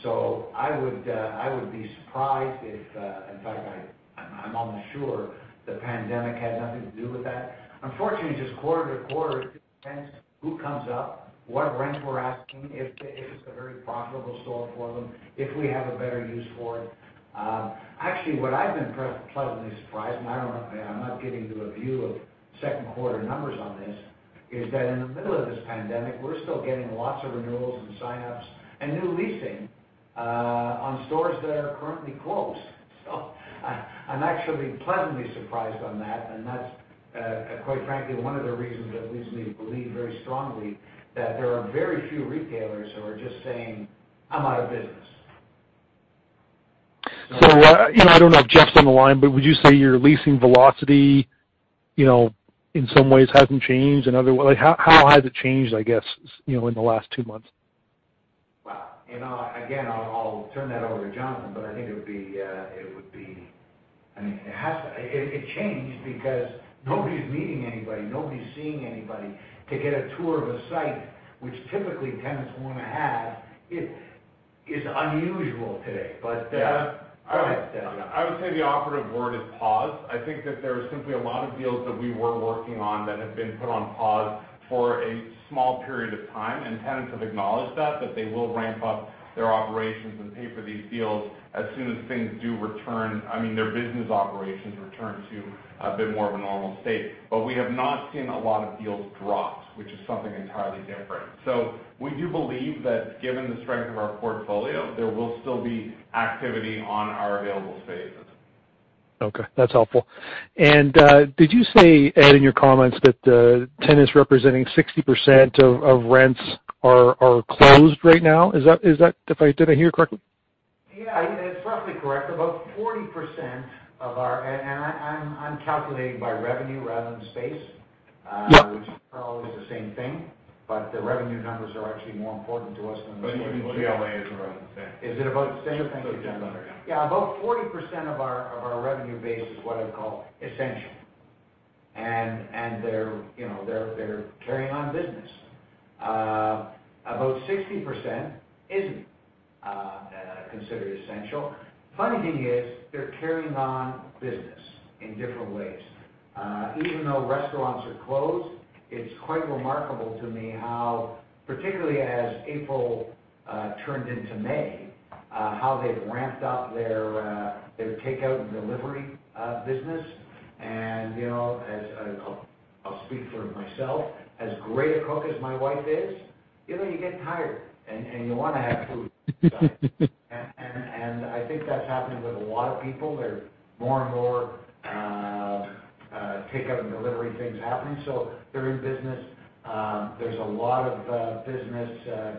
would be surprised. In fact, I'm almost sure the pandemic had nothing to do with that. Unfortunately, just quarter-to-quarter, it depends who comes up, what rent we're asking, if it's a very profitable store for them, if we have a better use for it. Actually, what I've been pleasantly surprised, and I'm not getting to a view of second quarter numbers on this, is that in the middle of this pandemic, we're still getting lots of renewals and sign-ups and new leasing on stores that are currently closed. I'm actually pleasantly surprised on that, and that's, quite frankly, one of the reasons that leads me to believe very strongly that there are very few retailers who are just saying, I'm out of business. I don't know if Jeff's on the line, but would you say your leasing velocity in some ways hasn't changed? How has it changed, I guess, in the last two months? Wow. I'll turn that over to Jonathan, but I think it changed because nobody's meeting anybody. Nobody's seeing anybody to get a tour of a site which, typically, tenants want to have, is unusual today. Yeah. Go ahead, Jonathan. I would say the operative word is pause. I think that there are simply a lot of deals that we were working on that have been put on pause for a small period of time, and tenants have acknowledged that they will ramp up their operations and pay for these deals as soon as their business operations return to a bit more of a normal state. We have not seen a lot of deals dropped, which is something entirely different. We do believe that given the strength of our portfolio, there will still be activity on our available spaces. Okay, that's helpful. Did you say, Ed, in your comments that tenants representing 60% of rents are closed right now? Did I hear correctly? Yeah, it's roughly correct. I'm calculating by revenue rather than space which aren't always the same thing, but the revenue numbers are actually more important to us than the square footage. The [LVA] is around the same. Is it about the same? Thank you, Jonathan. Yeah. Yeah, about 40% of our revenue base is what I'd call essential, and they're carrying on business. About 60% isn't considered essential. Funny thing is, they're carrying on business in different ways. Even though restaurants are closed, it's quite remarkable to me how, particularly as April turned into May, how they've ramped up their takeout and delivery business. I'll speak for myself, as great a cook as my wife is, you get tired, and you want to have food delivered sometimes. I think that's happening with a lot of people. There are more and more takeout and delivery things happening, so they're in business. There's a lot of business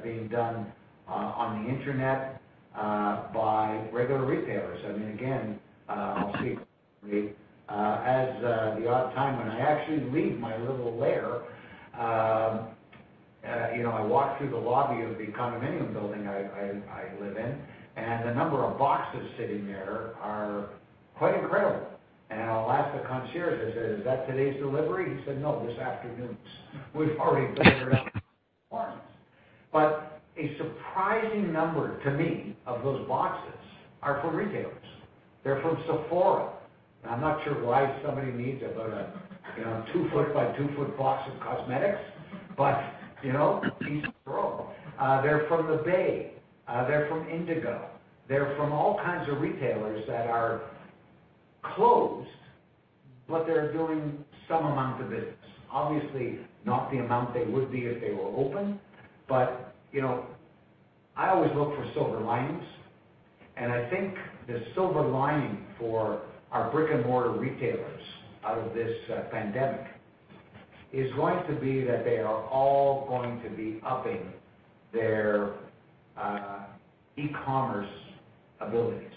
being done on the internet by regular retailers. Again, I'll speak for me. As the odd time when I actually leave my little lair, I walk through the lobby of the condominium building I live in, and the number of boxes sitting there are quite incredible. I'll ask the concierge, I say, is that today's delivery? He said, no, this afternoon's. We've already delivered around four times. A surprising number to me of those boxes are from retailers. They're from Sephora. I'm not sure why somebody needs a 2-ft by 2-ft box of cosmetics, but things grow. They're from The Bay. They're from Indigo. They're from all kinds of retailers that are closed, but they're doing some amount of business. Obviously, not the amount they would be if they were open. I always look for silver linings, and I think the silver lining for our brick-and-mortar retailers out of this pandemic is going to be that they are all going to be upping their e-commerce abilities.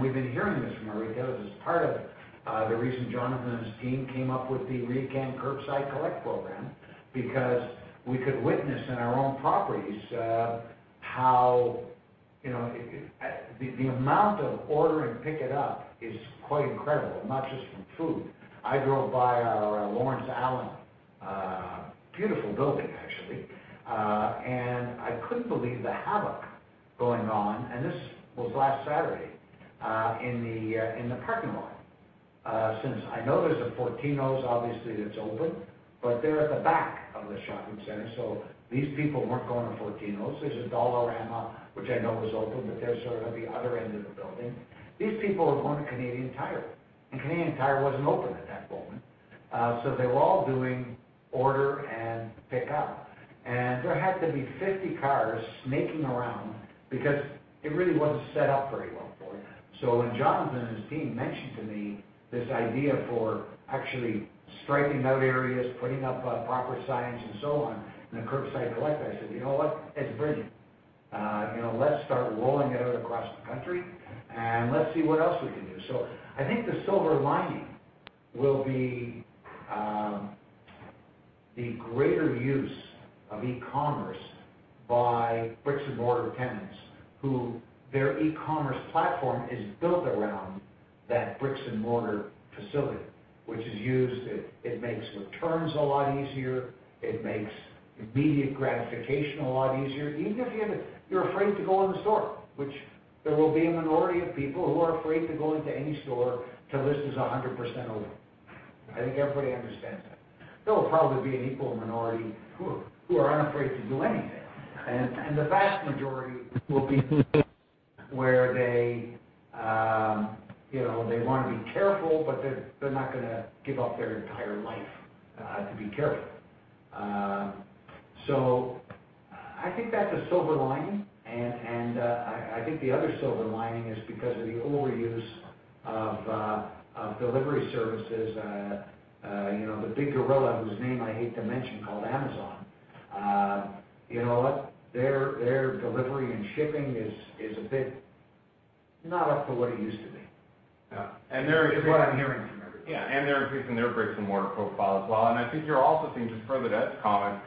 We've been hearing this from our retailers. It's part of the reason Jonathan and his team came up with the RioCan Curbside Collect program because we could witness in our own properties how the amount of order and pick it up is quite incredible, and not just from food. I drove by our Lawrence Allen, beautiful building, actually, and I couldn't believe the havoc going on, and this was last Saturday, in the parking lot. Since I know there's a Fortinos, obviously, that's open, but they're at the back of the shopping center, so these people weren't going to Fortinos. There's a Dollarama, which I know is open. They're sort of the other end of the building. These people are going to Canadian Tire. Canadian Tire wasn't open at that moment. They were all doing order and pick up. There had to be 50 cars snaking around because it really wasn't set up very well for it. When Jonathan and his team mentioned to me this idea for actually striping out areas, putting up proper signs, and so on the Curbside Collect, I said, you know what? It's brilliant. Let's start rolling it out across the country, and let's see what else we can do. I think the silver lining will be the greater use of e-commerce by bricks-and-mortar tenants who their e-commerce platform is built around that bricks-and-mortar facility. Which is used, it makes returns a lot easier. It makes immediate gratification a lot easier. Even if you're afraid to go in the store, which there will be a minority of people who are afraid to go into any store till this is 100% over. I think everybody understands that. There will probably be an equal minority who are unafraid to do anything. The vast majority will be where they want to be careful, but they're not going to give up their entire life to be careful. I think that's a silver lining, and I think the other silver lining is because of the overuse of delivery services, the big gorilla whose name I hate to mention called Amazon. You know what? Their delivery and shipping is a bit not up to what it used to be. It's what I'm hearing from everybody. Yeah, they're increasing their bricks-and-mortar profile as well. I think you're also seeing, just further to Ed's comment,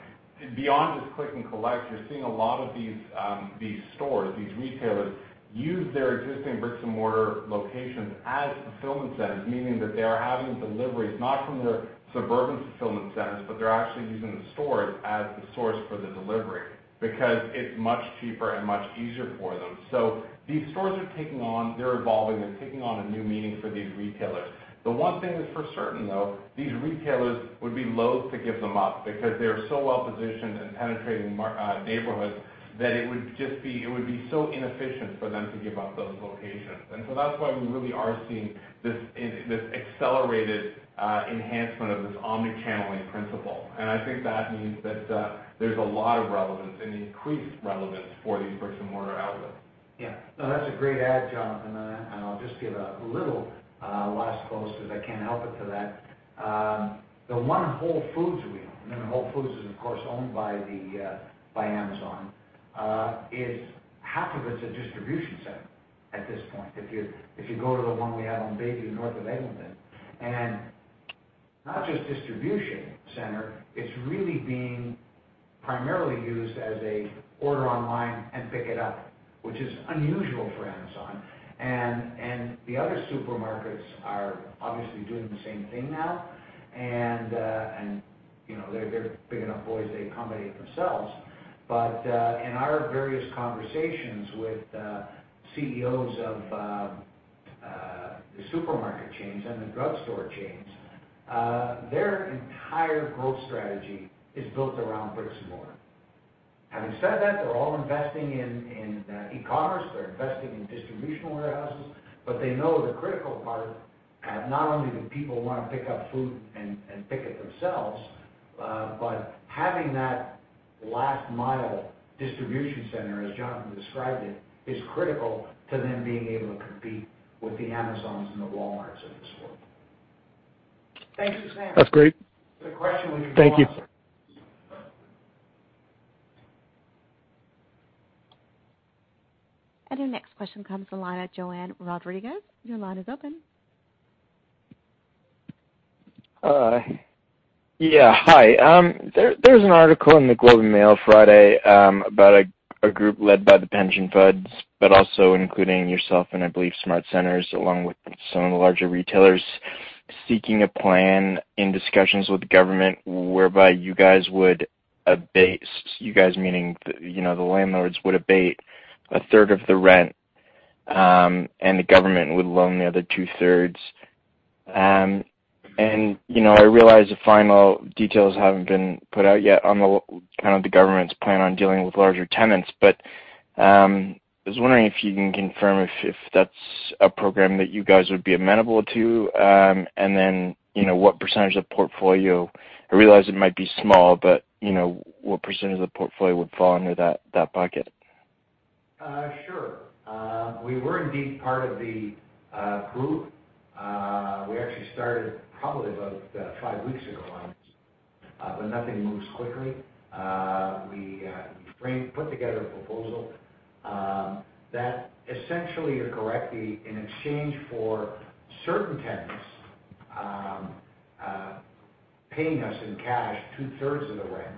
beyond just click and collect, you're seeing a lot of these stores, these retailers, use their existing bricks-and-mortar locations as fulfillment centers, meaning that they are having deliveries, not from their suburban fulfillment centers, but they're actually using the stores as the source for the delivery because it's much cheaper and much easier for them. These stores are taking on, they're evolving. They're taking on a new meaning for these retailers. The one thing that's for certain, though, these retailers would be loath to give them up because they're so well-positioned and penetrating neighborhoods that it would be so inefficient for them to give up those locations. That's why we really are seeing this accelerated enhancement of this omni-channeling principle. I think that means that there's a lot of relevance and increased relevance for these brick-and-mortar outlets. No, that's a great add, Jonathan. I'll just give a little last close, because I can't help it, to that. The one Whole Foods we own, remember Whole Foods is of course, owned by Amazon, is half of it's a distribution center at this point. If you go to the one we have on Bayview, north of Eglinton. Not just distribution center, it's really being primarily used as a order online and pick it up, which is unusual for Amazon. The other supermarkets are obviously doing the same thing now. They're big enough boys, they accommodate themselves. In our various conversations with CEOs of the supermarket chains and the drugstore chains, their entire growth strategy is built around bricks and mortar. Having said that, they're all investing in e-commerce. They're investing in distributional warehouses. They know the critical part, not only do people want to pick up food and pick it themselves, but having that last-mile distribution center, as Jonathan described it, is critical to them being able to compete with the Amazons and the Walmarts of this world. That's great. Thank you. Your next question comes the line at Joanne Rodriguez. Your line is open. Hi. Yeah, hi. There was an article in The Globe and Mail Friday about a group led by the pension funds, also including yourself and I believe SmartCentres along with some of the larger retailers, seeking a plan in discussions with the government whereby you guys would abate, you guys meaning the landlords, would abate 1/3 of the rent, the government would loan the other 2/3. I realize the final details haven't been put out yet on the government's plan on dealing with larger tenants. I was wondering if you can confirm if that's a program that you guys would be amenable to, what percentage of the portfolio? I realize it might be small, but what percentage of the portfolio would fall under that bucket? Sure. We were indeed part of the group. We actually started probably about five weeks ago, but nothing moves quickly. We put together a proposal that essentially you're correctly in exchange for certain tenants paying us in cash 2/3 of the rent,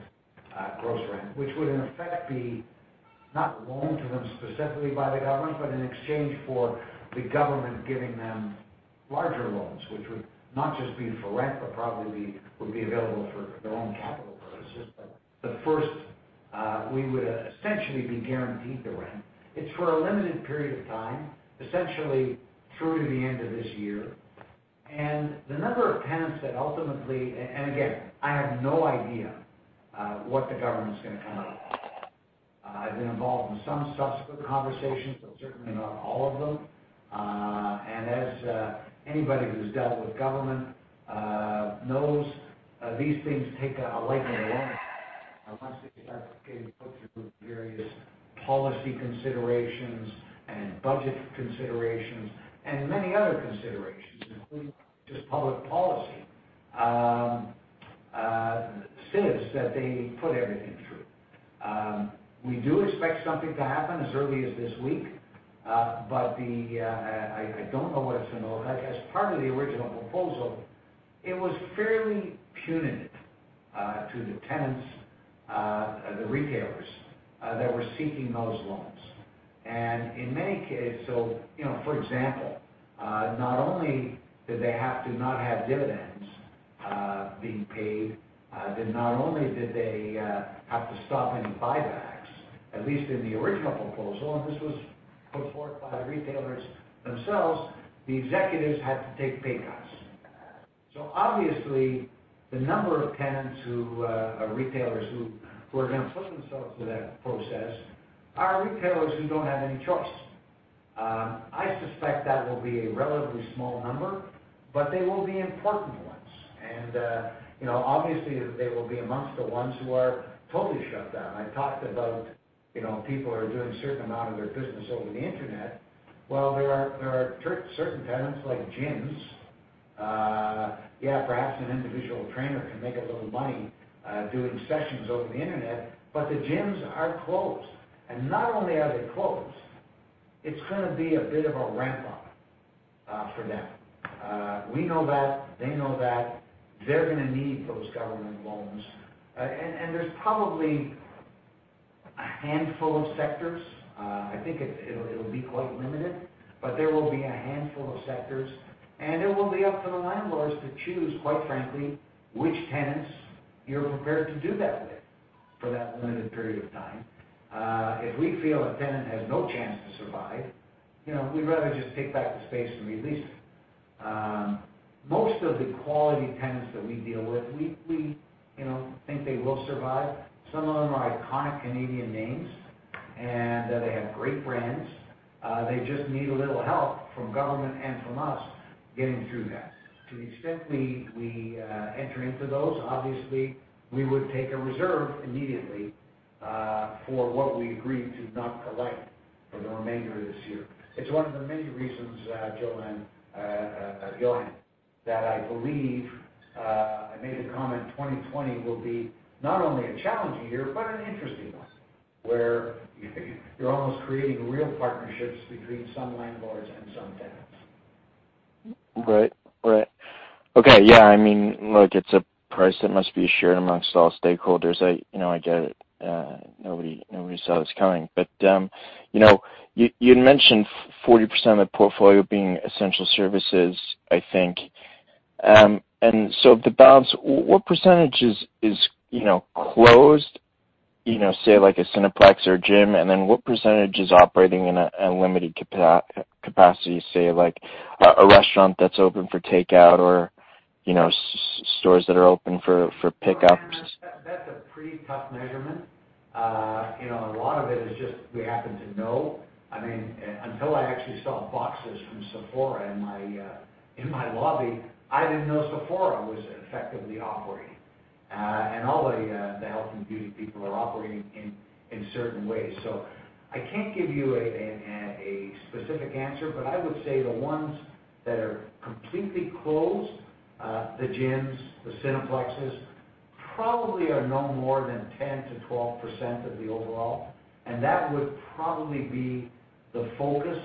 gross rent, which would in effect be not loaned to them specifically by the government, but in exchange for the government giving them larger loans, which would not just be for rent, but probably would be available for their own capital purposes. First, we would essentially be guaranteed the rent. It's for a limited period of time, essentially through the end of this year. The number of tenants that ultimately, and again, I have no idea what the government's going to come up with. I've been involved in some subsequent conversations, but certainly not all of them. As anybody who's dealt with government knows these things take a lightning round once they start getting put through various policy considerations and budget considerations and many other considerations, including just public policy sieves that they put everything through. We do expect something to happen as early as this week. I don't know what it's going to look like. As part of the original proposal, it was fairly punitive to the tenants, the retailers, that were seeking those loans. In many cases, for example, not only did they have to not have dividends being paid, not only did they have to stop any buybacks, at least in the original proposal, and this was put forth by the retailers themselves, the executives had to take pay cuts. Obviously, the number of tenants who, or retailers who are going to put themselves through that process are retailers who don't have any choice. I suspect that will be a relatively small number, but they will be important ones. Obviously, they will be amongst the ones who are totally shut down. I talked about people are doing a certain amount of their business over the Internet. There are certain tenants like gyms. Yeah, perhaps an individual trainer can make a little money doing sessions over the Internet, but the gyms are closed. Not only are they closed, it's going to be a bit of a ramp-up for them. We know that, they know that. They're going to need those government loans. There's probably a handful of sectors. I think it'll be quite limited. There will be a handful of sectors. It will be up to the landlords to choose, quite frankly, which tenants you're prepared to do that with for that limited period of time. If we feel a tenant has no chance to survive, we'd rather just take back the space and re-lease it. Most of the quality tenants that we deal with, we think they will survive. Some of them are iconic Canadian names, and they have great brands. They just need a little help from government and from us getting through that. To the extent we enter into those, obviously, we would take a reserve immediately for what we agreed to not collect for the remainder of this year. It's one of the many reasons, Joanne, [Gillian], that I believe, I made the comment 2020 will be not only a challenging year, but an interesting one, where you're almost creating real partnerships between some landlords and some tenants. Right. Okay. Yeah, look, it's a price that must be shared amongst all stakeholders. I get it. Nobody saw this coming. You had mentioned 40% of the portfolio being essential services, I think. The balance, what percentage is closed, say, like a Cineplex or a gym, and then what percentage is operating in a limited capacity, say, like a restaurant that's open for takeout or stores that are open for pickups? That's a pretty tough measurement. A lot of it is just we happen to know. Until I actually saw boxes from Sephora in my lobby, I didn't know Sephora was effectively operating. All the health and beauty people are operating in certain ways. I can't give you a specific answer, but I would say the ones that are completely closed, the gyms, the Cineplexes, probably are no more than 10%-12% of the overall. That would probably be the focus,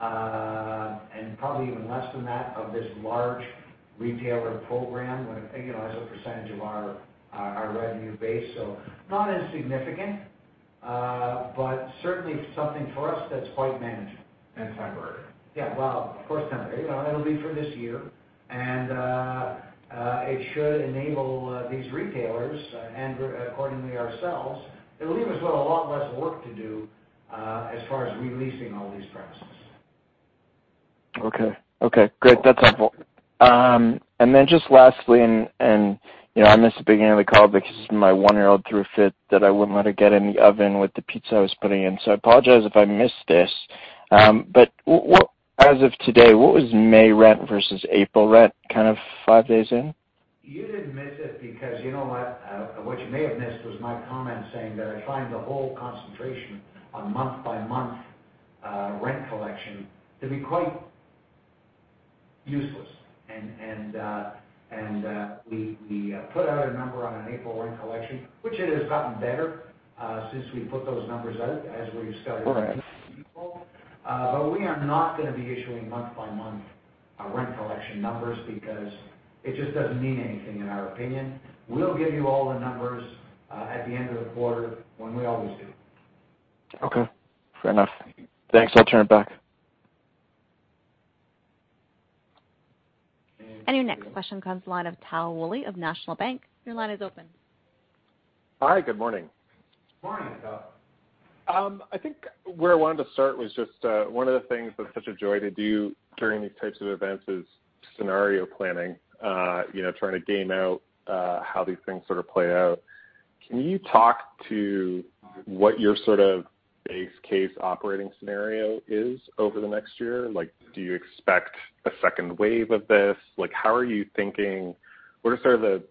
and probably even less than that, of this large retailer program as a percentage of our revenue base. Not insignificant. But certainly something for us that's quite manageable. And temporary. Yeah. Well, of course, temporary. It'll be for this year, and it should enable these retailers, and accordingly ourselves. It'll leave us with a lot less work to do as far as re-leasing all these premises. Okay. Great. That's helpful. Then just lastly, I missed the beginning of the call because my one-year-old threw a fit that I wouldn't let her get in the oven with the pizza I was putting in. I apologize if I missed this. As of today, what was May rent versus April rent, kind of five days in? You didn't miss it because you know what? What you may have missed was my comment saying that I find the whole concentration on month-by-month rent collection to be quite useless. We put out a number on an April rent collection, which it has gotten better since we put those numbers out. We are not going to be issuing month-by-month rent collection numbers because it just doesn't mean anything, in our opinion. We'll give you all the numbers at the end of the quarter when we always do. Okay. Fair enough. Thanks. I'll turn it back. Your next question comes the line of Tal Woolley of National Bank. Your line is open. Hi, good morning. Morning, Tal. I think where I wanted to start was just one of the things that's such a joy to do during these types of events is scenario planning. Trying to game out how these things sort of play out. Can you talk to what your sort of base case operating scenario is over the next year? Do you expect a second wave of this? What are sort of the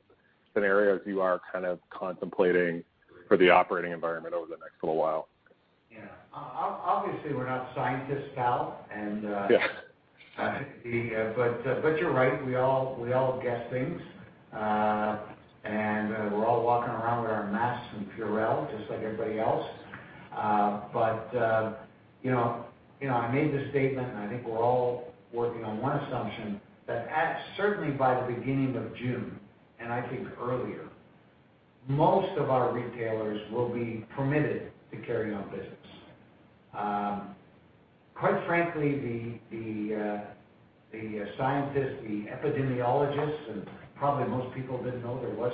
scenarios you are kind of contemplating for the operating environment over the next little while? Yeah. Obviously, we're not scientists, Tal. Yeah You're right. We all guess things. We're all walking around with our masks and Purell just like everybody else. I made the statement, I think we're all working on one assumption, that certainly by the beginning of June, I think earlier, most of our retailers will be permitted to carry on business. Quite frankly, the scientists, the epidemiologists, and probably most people didn't know there was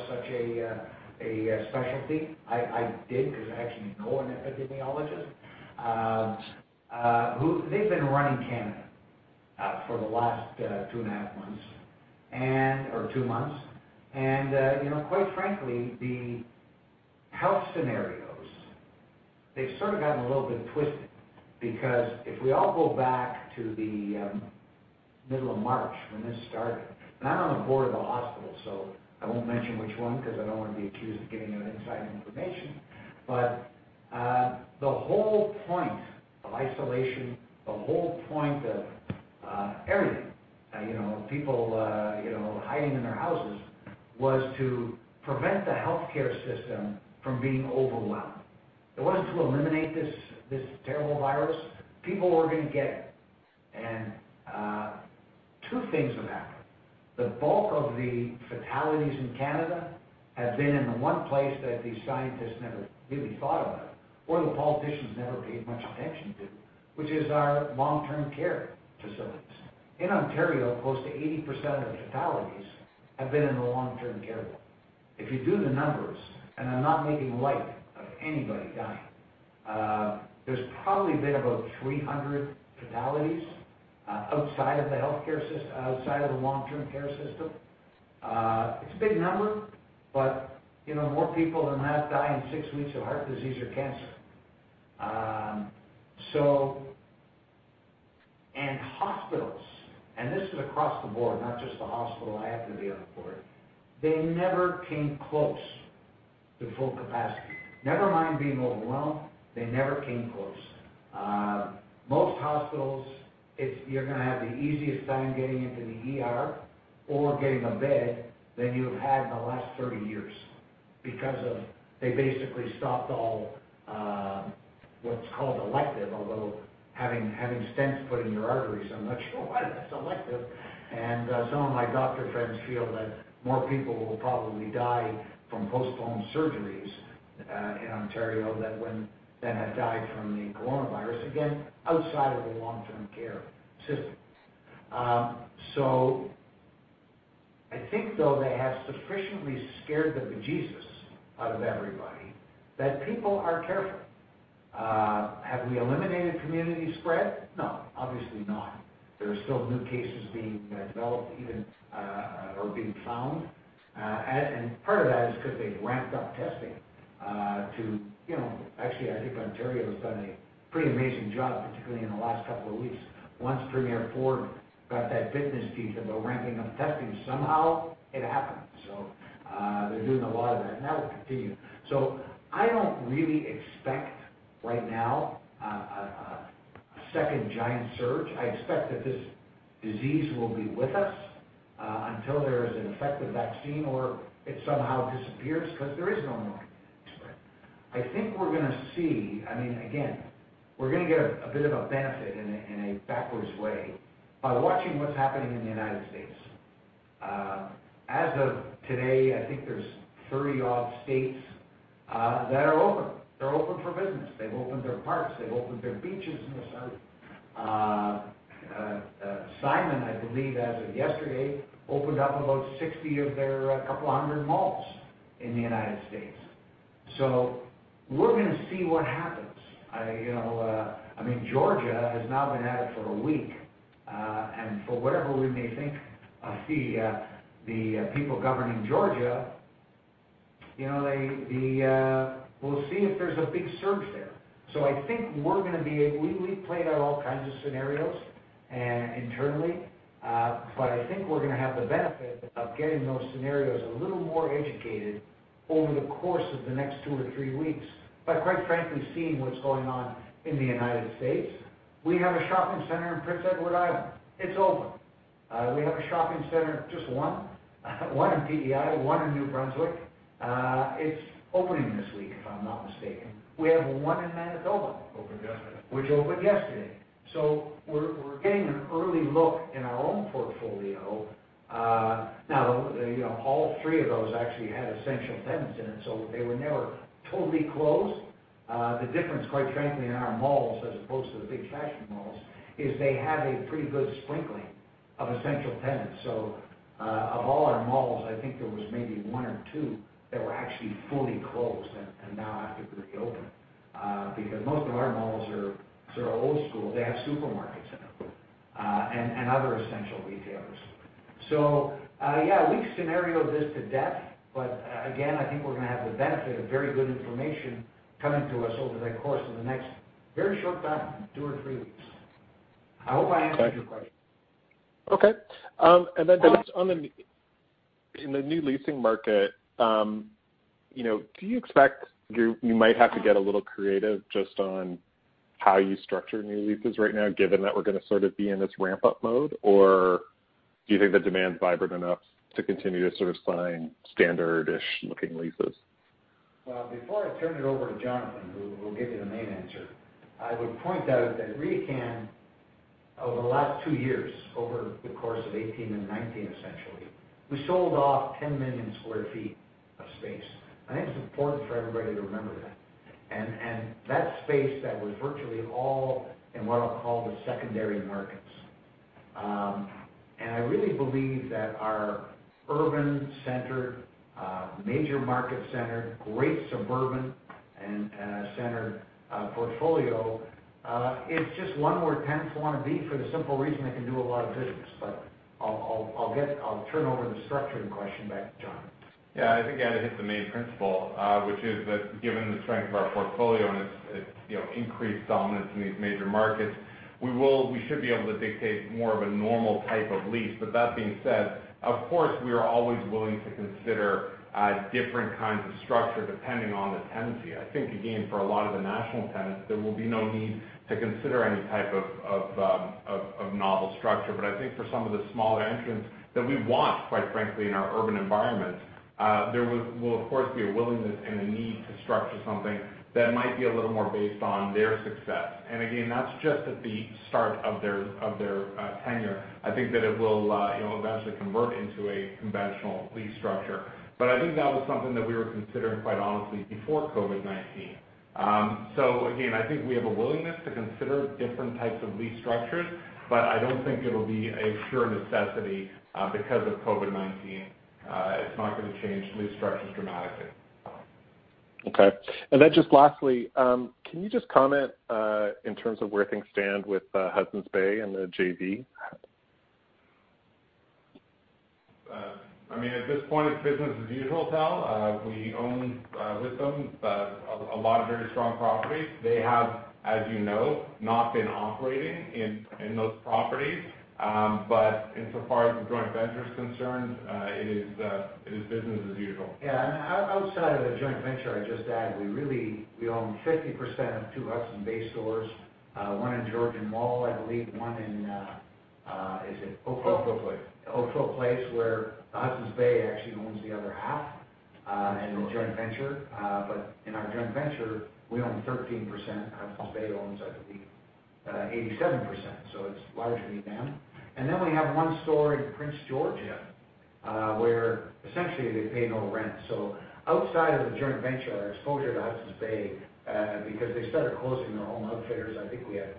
such a specialty. I did, because I actually know an epidemiologist. They've been running Canada for the last 2.5 months or two months. Quite frankly, the health scenarios, they've sort of gotten a little bit twisted. If we all go back to the middle of March when this started, and I'm on the board of a hospital, so I won't mention which one because I don't want to be accused of giving out inside information, the whole point of isolation, the whole point of everything, people hiding in their houses was to prevent the healthcare system from being overwhelmed. It wasn't to eliminate this terrible virus. People were going to get it. Two things have happened. The bulk of the fatalities in Canada have been in the one place that these scientists never really thought about, or the politicians never paid much attention to, which is our long-term care facilities. In Ontario, close to 80% of the fatalities have been in the long-term care world. If you do the numbers, and I'm not making light of anybody dying, there's probably been about 300 fatalities outside of the long-term care system. It's a big number, but more people than that die in six weeks of heart disease or cancer, and hospitals, and this is across the board, not just the hospital I happen to be on the board. They never came close to full capacity. Never mind being overwhelmed, they never came close. Most hospitals, if you're going to have the easiest time getting into the ER or getting a bed than you have had in the last 30 years because they basically stopped all what's called elective, although having stents put in your arteries, I'm not sure why that's elective. Some of my doctor friends feel that more people will probably die from postponed surgeries in Ontario than have died from the coronavirus, again, outside of the long-term care system. I think, though, they have sufficiently scared the bejesus out of everybody, that people are careful. Have we eliminated community spread? No, obviously not. There are still new cases being developed even, or being found. Part of that is because they've ramped up testing to, actually, I think Ontario has done a pretty amazing job, particularly in the last couple of weeks. Once Premier Ford got that fitness piece about ramping up testing, somehow it happened. They're doing a lot of that, and that will continue. I don't really expect right now a second giant surge. I expect that this disease will be with us until there is an effective vaccine or it somehow disappears because there is no immunity to this spread. I think we're going to see, again, we're going to get a bit of a benefit in a backwards way by watching what's happening in the United States. As of today, I think there's 30-odd states that are open. They're open for business. They've opened their parks. They've opened their beaches. Simon, I believe, as of yesterday, opened up about 60 of their couple hundred malls in the U.S. We're going to see what happens. Georgia has now been at it for a week. For whatever we may think of the people governing Georgia, we'll see if there's a big surge there. I think we've played out all kinds of scenarios internally, but I think we're going to have the benefit of getting those scenarios a little more educated over the course of the next two or three weeks, but quite frankly, seeing what's going on in the United States, we have a shopping center in Prince Edward Island. It's open. We have a shopping center, just one in PEI, one in New Brunswick. It's opening this week, if I'm not mistaken. We have one in Manitoba. Opened yesterday. Which opened yesterday. We're getting an early look in our own portfolio. All three of those actually had essential tenants in it, so they were never totally closed. The difference, quite frankly, in our malls, as opposed to the big fashion malls, is they have a pretty good sprinkling of essential tenants. Of all our malls, I think there was maybe one or two that were actually fully closed and now have to reopen. Most of our malls are old school. They have supermarkets in them, and other essential retailers. Yeah, we've scenarioed this to death. Again, I think we're going to have the benefit of very good information coming to us over the course of the next very short time, two or three weeks. I hope I answered your question. Okay. Then just in the new leasing market, do you expect you might have to get a little creative just on how you structure new leases right now, given that we're going to sort of be in this ramp-up mode? Do you think the demand's vibrant enough to continue to sort of sign standard-ish looking leases? Well, before I turn it over to Jonathan, who will give you the main answer, I would point out that RioCan, over the last two years, over the course of 2018 and 2019, essentially, we sold off 10 million square feet of space. I think it's important for everybody to remember that. That space that was virtually all in what I'll call the secondary markets. I really believe that our urban-centered, major market-centered, great suburban-centered portfolio, it's just one where tenants want to be for the simple reason they can do a lot of business. I'll turn over the structuring question back to Jonathan. Yeah, I think, again, it hits the main principle, which is that given the strength of our portfolio and its increased dominance in these major markets, we should be able to dictate more of a normal type of lease. That being said, of course, we are always willing to consider different kinds of structure depending on the tenancy. I think, again, for a lot of the national tenants, there will be no need to consider any type of novel structure. I think for some of the smaller entrants that we want, quite frankly, in our urban environments, there will, of course, be a willingness and a need to structure something that might be a little more based on their success. Again, that's just at the start of their tenure. I think that it will eventually convert into a conventional lease structure. I think that was something that we were considering, quite honestly, before COVID-19. Again, I think we have a willingness to consider different types of lease structures, but I don't think it'll be a pure necessity because of COVID-19. It's not going to change lease structures dramatically. Okay. Just lastly, can you just comment in terms of where things stand with Hudson's Bay and the JV? At this point, it's business as usual, Tal. We own with them a lot of very strong properties. They have, as you know, not been operating in those properties. Insofar as the joint venture is concerned, it is business as usual. Outside of the joint venture, I'd just add, we own 50% of two Hudson's Bay stores. One in Georgian Mall, I believe, one in Is it Oakville? Oakville Place. Oakville Place, where Hudson's Bay actually owns the other half as a joint venture. In our joint venture, we own 13%, Hudson's Bay owns, I believe, 87%. It's largely them. We have one store in Prince George where essentially they pay no rent. Outside of the joint venture, our exposure to Hudson's Bay, because they started closing their Home Outfitters, I think we have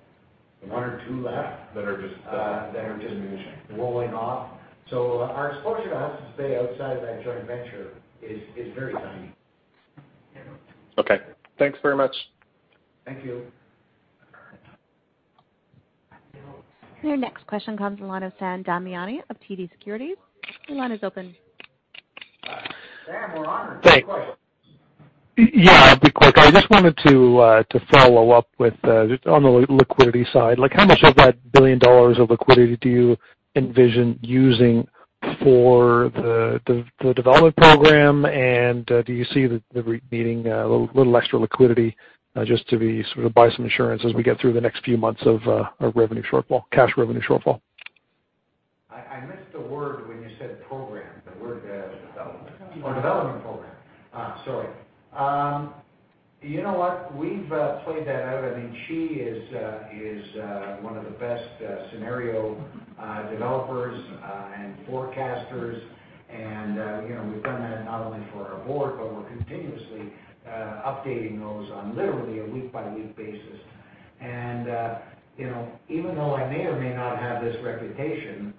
one or two left. Yeah. That are just diminishing. They are just rolling off. Our exposure to Hudson's Bay outside of that joint venture is very tiny. Okay. Thanks very much. Thank you. Your next question comes from Sam Damiani of TD Securities. Your line is open. Thanks. Be quick. Yeah, I'll be quick. I just wanted to follow up with, on the liquidity side. How much of that 1 billion dollars of liquidity do you envision using for the development program? Do you see needing a little extra liquidity just to sort of buy some insurance as we get through the next few months of revenue shortfall, cash revenue shortfall? I missed the word when you said program. The word dev. Development. Development program. Sorry. You know what? We've played that out. I think Qi is one of the best scenario developers and forecasters, and we've done that not only for our board, but we're continuously updating those on literally a week-by-week basis. Even though I may or may not have this reputation,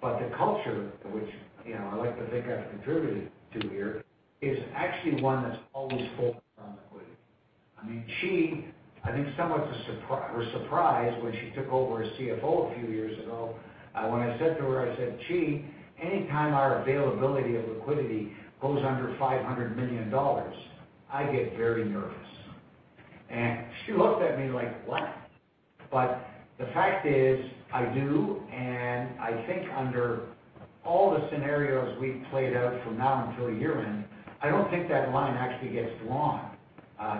but the culture, which I like to think I've contributed to here, is actually one that's always focused on liquidity. Qi, I think, somewhat was surprised when she took over as CFO a few years ago, when I said to her, Qi, anytime our availability of liquidity goes under 500 million dollars, I get very nervous. She looked at me like, what? But the fact is, I do, and I think under all the scenarios we've played out from now until year-end, I don't think that line actually gets drawn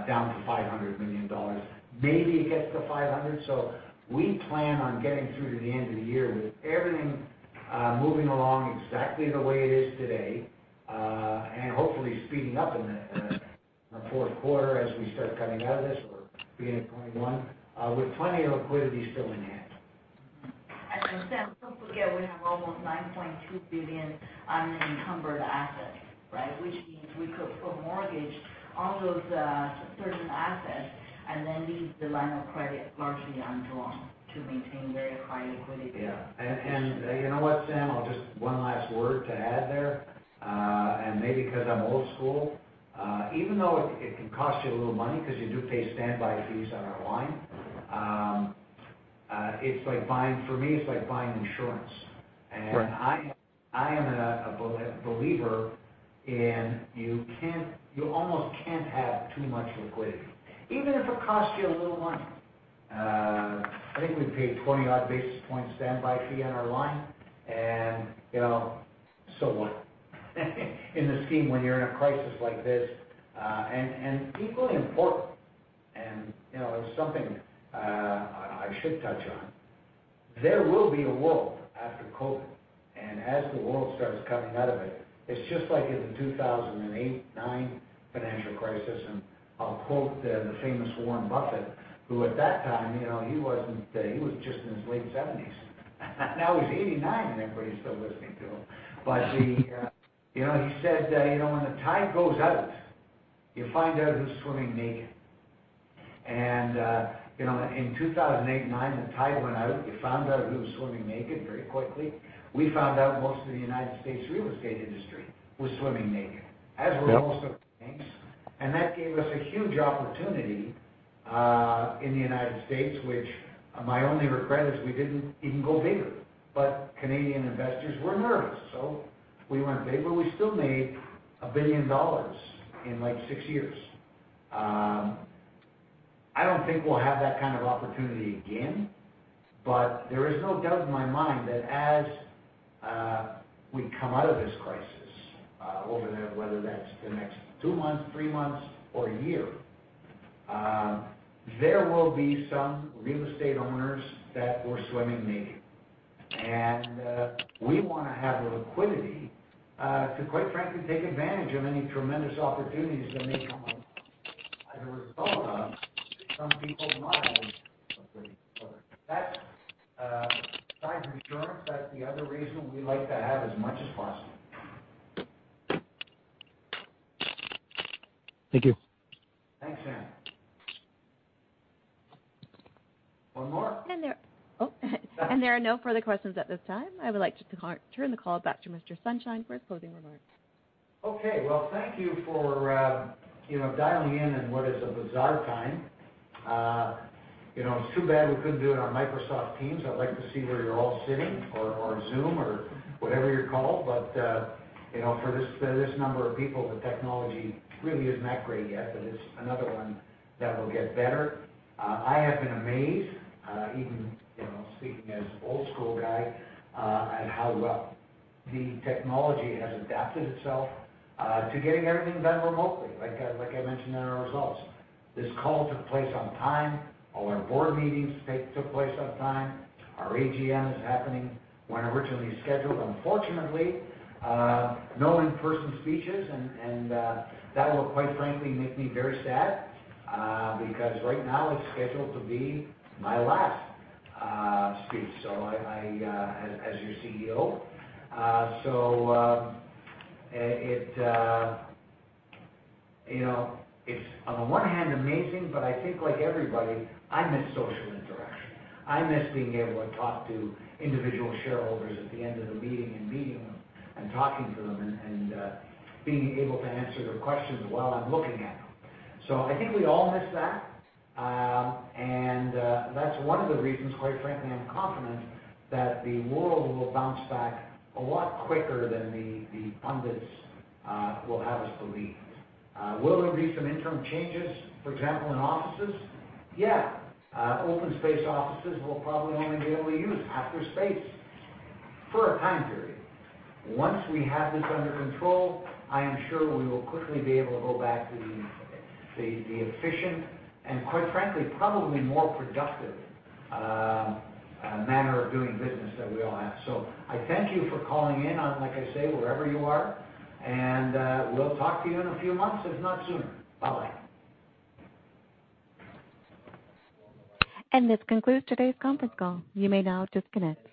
down to 500 million dollars. Maybe it gets to 500 million. We plan on getting through to the end of the year with everything moving along exactly the way it is today. Hopefully speeding up in the fourth quarter as we start coming out of this or beginning of 2021, with plenty of liquidity still in hand. Sam, don't forget, we have almost 9.2 billion unencumbered assets. Which means we could mortgage all those certain assets and then leave the line of credit largely undrawn to maintain very high liquidity. Yeah. You know what, Sam? I'll just One last word to add there, and maybe because I'm old school. Even though it can cost you a little money because you do pay standby fees on our line, for me, it's like buying insurance. Right. I am a believer in you almost can't have too much liquidity, even if it costs you a little money. I think we pay 20 basis points standby fee on our line. So what? In the scheme, when you're in a crisis like this. Equally important, and it's something I should touch on, there will be a world after COVID. As the world starts coming out of it's just like in the 2008-2009 financial crisis. I'll quote the famous Warren Buffett, who at that time, he was just in his late 70s. Now he's 89, and everybody's still listening to him. He said that, when the tide goes out, you find out who's swimming naked. In 2008 and 2009, the tide went out, you found out who was swimming naked very quickly. We found out most of the U.S. real estate industry was swimming naked. Yep. As were most of the banks. That gave us a huge opportunity in the United States, which my only regret is we didn't even go bigger. Canadian investors were nervous, so we went big, but we still made 1 billion dollars in six years. I don't think we'll have that kind of opportunity again, but there is no doubt in my mind that as we come out of this crisis, whether that's the next two months, three months, or one year, there will be some real estate owners that were swimming naked. We want to have the liquidity to, quite frankly, take advantage of any tremendous opportunities that may come up as a result of some people not having liquidity. Besides insurance, that's the other reason we like to have as much as possible. Thank you. Thanks, Sam. One more? There are no further questions at this time. I would like to turn the call back to Mr. Sonshine for his closing remarks. Okay. Well, thank you for dialing in in what is a bizarre time. It's too bad we couldn't do it on Microsoft Teams. I'd like to see where you're all sitting, or Zoom, or whatever you call. For this number of people, the technology really isn't that great yet, but it's another one that will get better. I have been amazed, even speaking as old school guy, at how well the technology has adapted itself to getting everything done remotely, like I mentioned in our results. This call took place on time. All our board meetings took place on time. Our AGM is happening when originally scheduled. Unfortunately, no in-person speeches, that will quite frankly make me very sad. Because right now it's scheduled to be my last speech as your CEO. It's on the one hand amazing, but I think like everybody, I miss social interaction. I miss being able to talk to individual shareholders at the end of the meeting and meeting them and talking to them and being able to answer their questions while I'm looking at them. I think we all miss that. That's one of the reasons, quite frankly, I'm confident that the world will bounce back a lot quicker than the pundits will have us believe. Will there be some interim changes, for example, in offices? Yeah. Open space offices will probably only be able to use half their space for a time period. Once we have this under control, I am sure we will quickly be able to go back to the efficient and, quite frankly, probably more productive manner of doing business that we all have. I thank you for calling in on, like I say, wherever you are, and we'll talk to you in a few months, if not sooner. Bye-bye. This concludes today's conference call. You may now disconnect.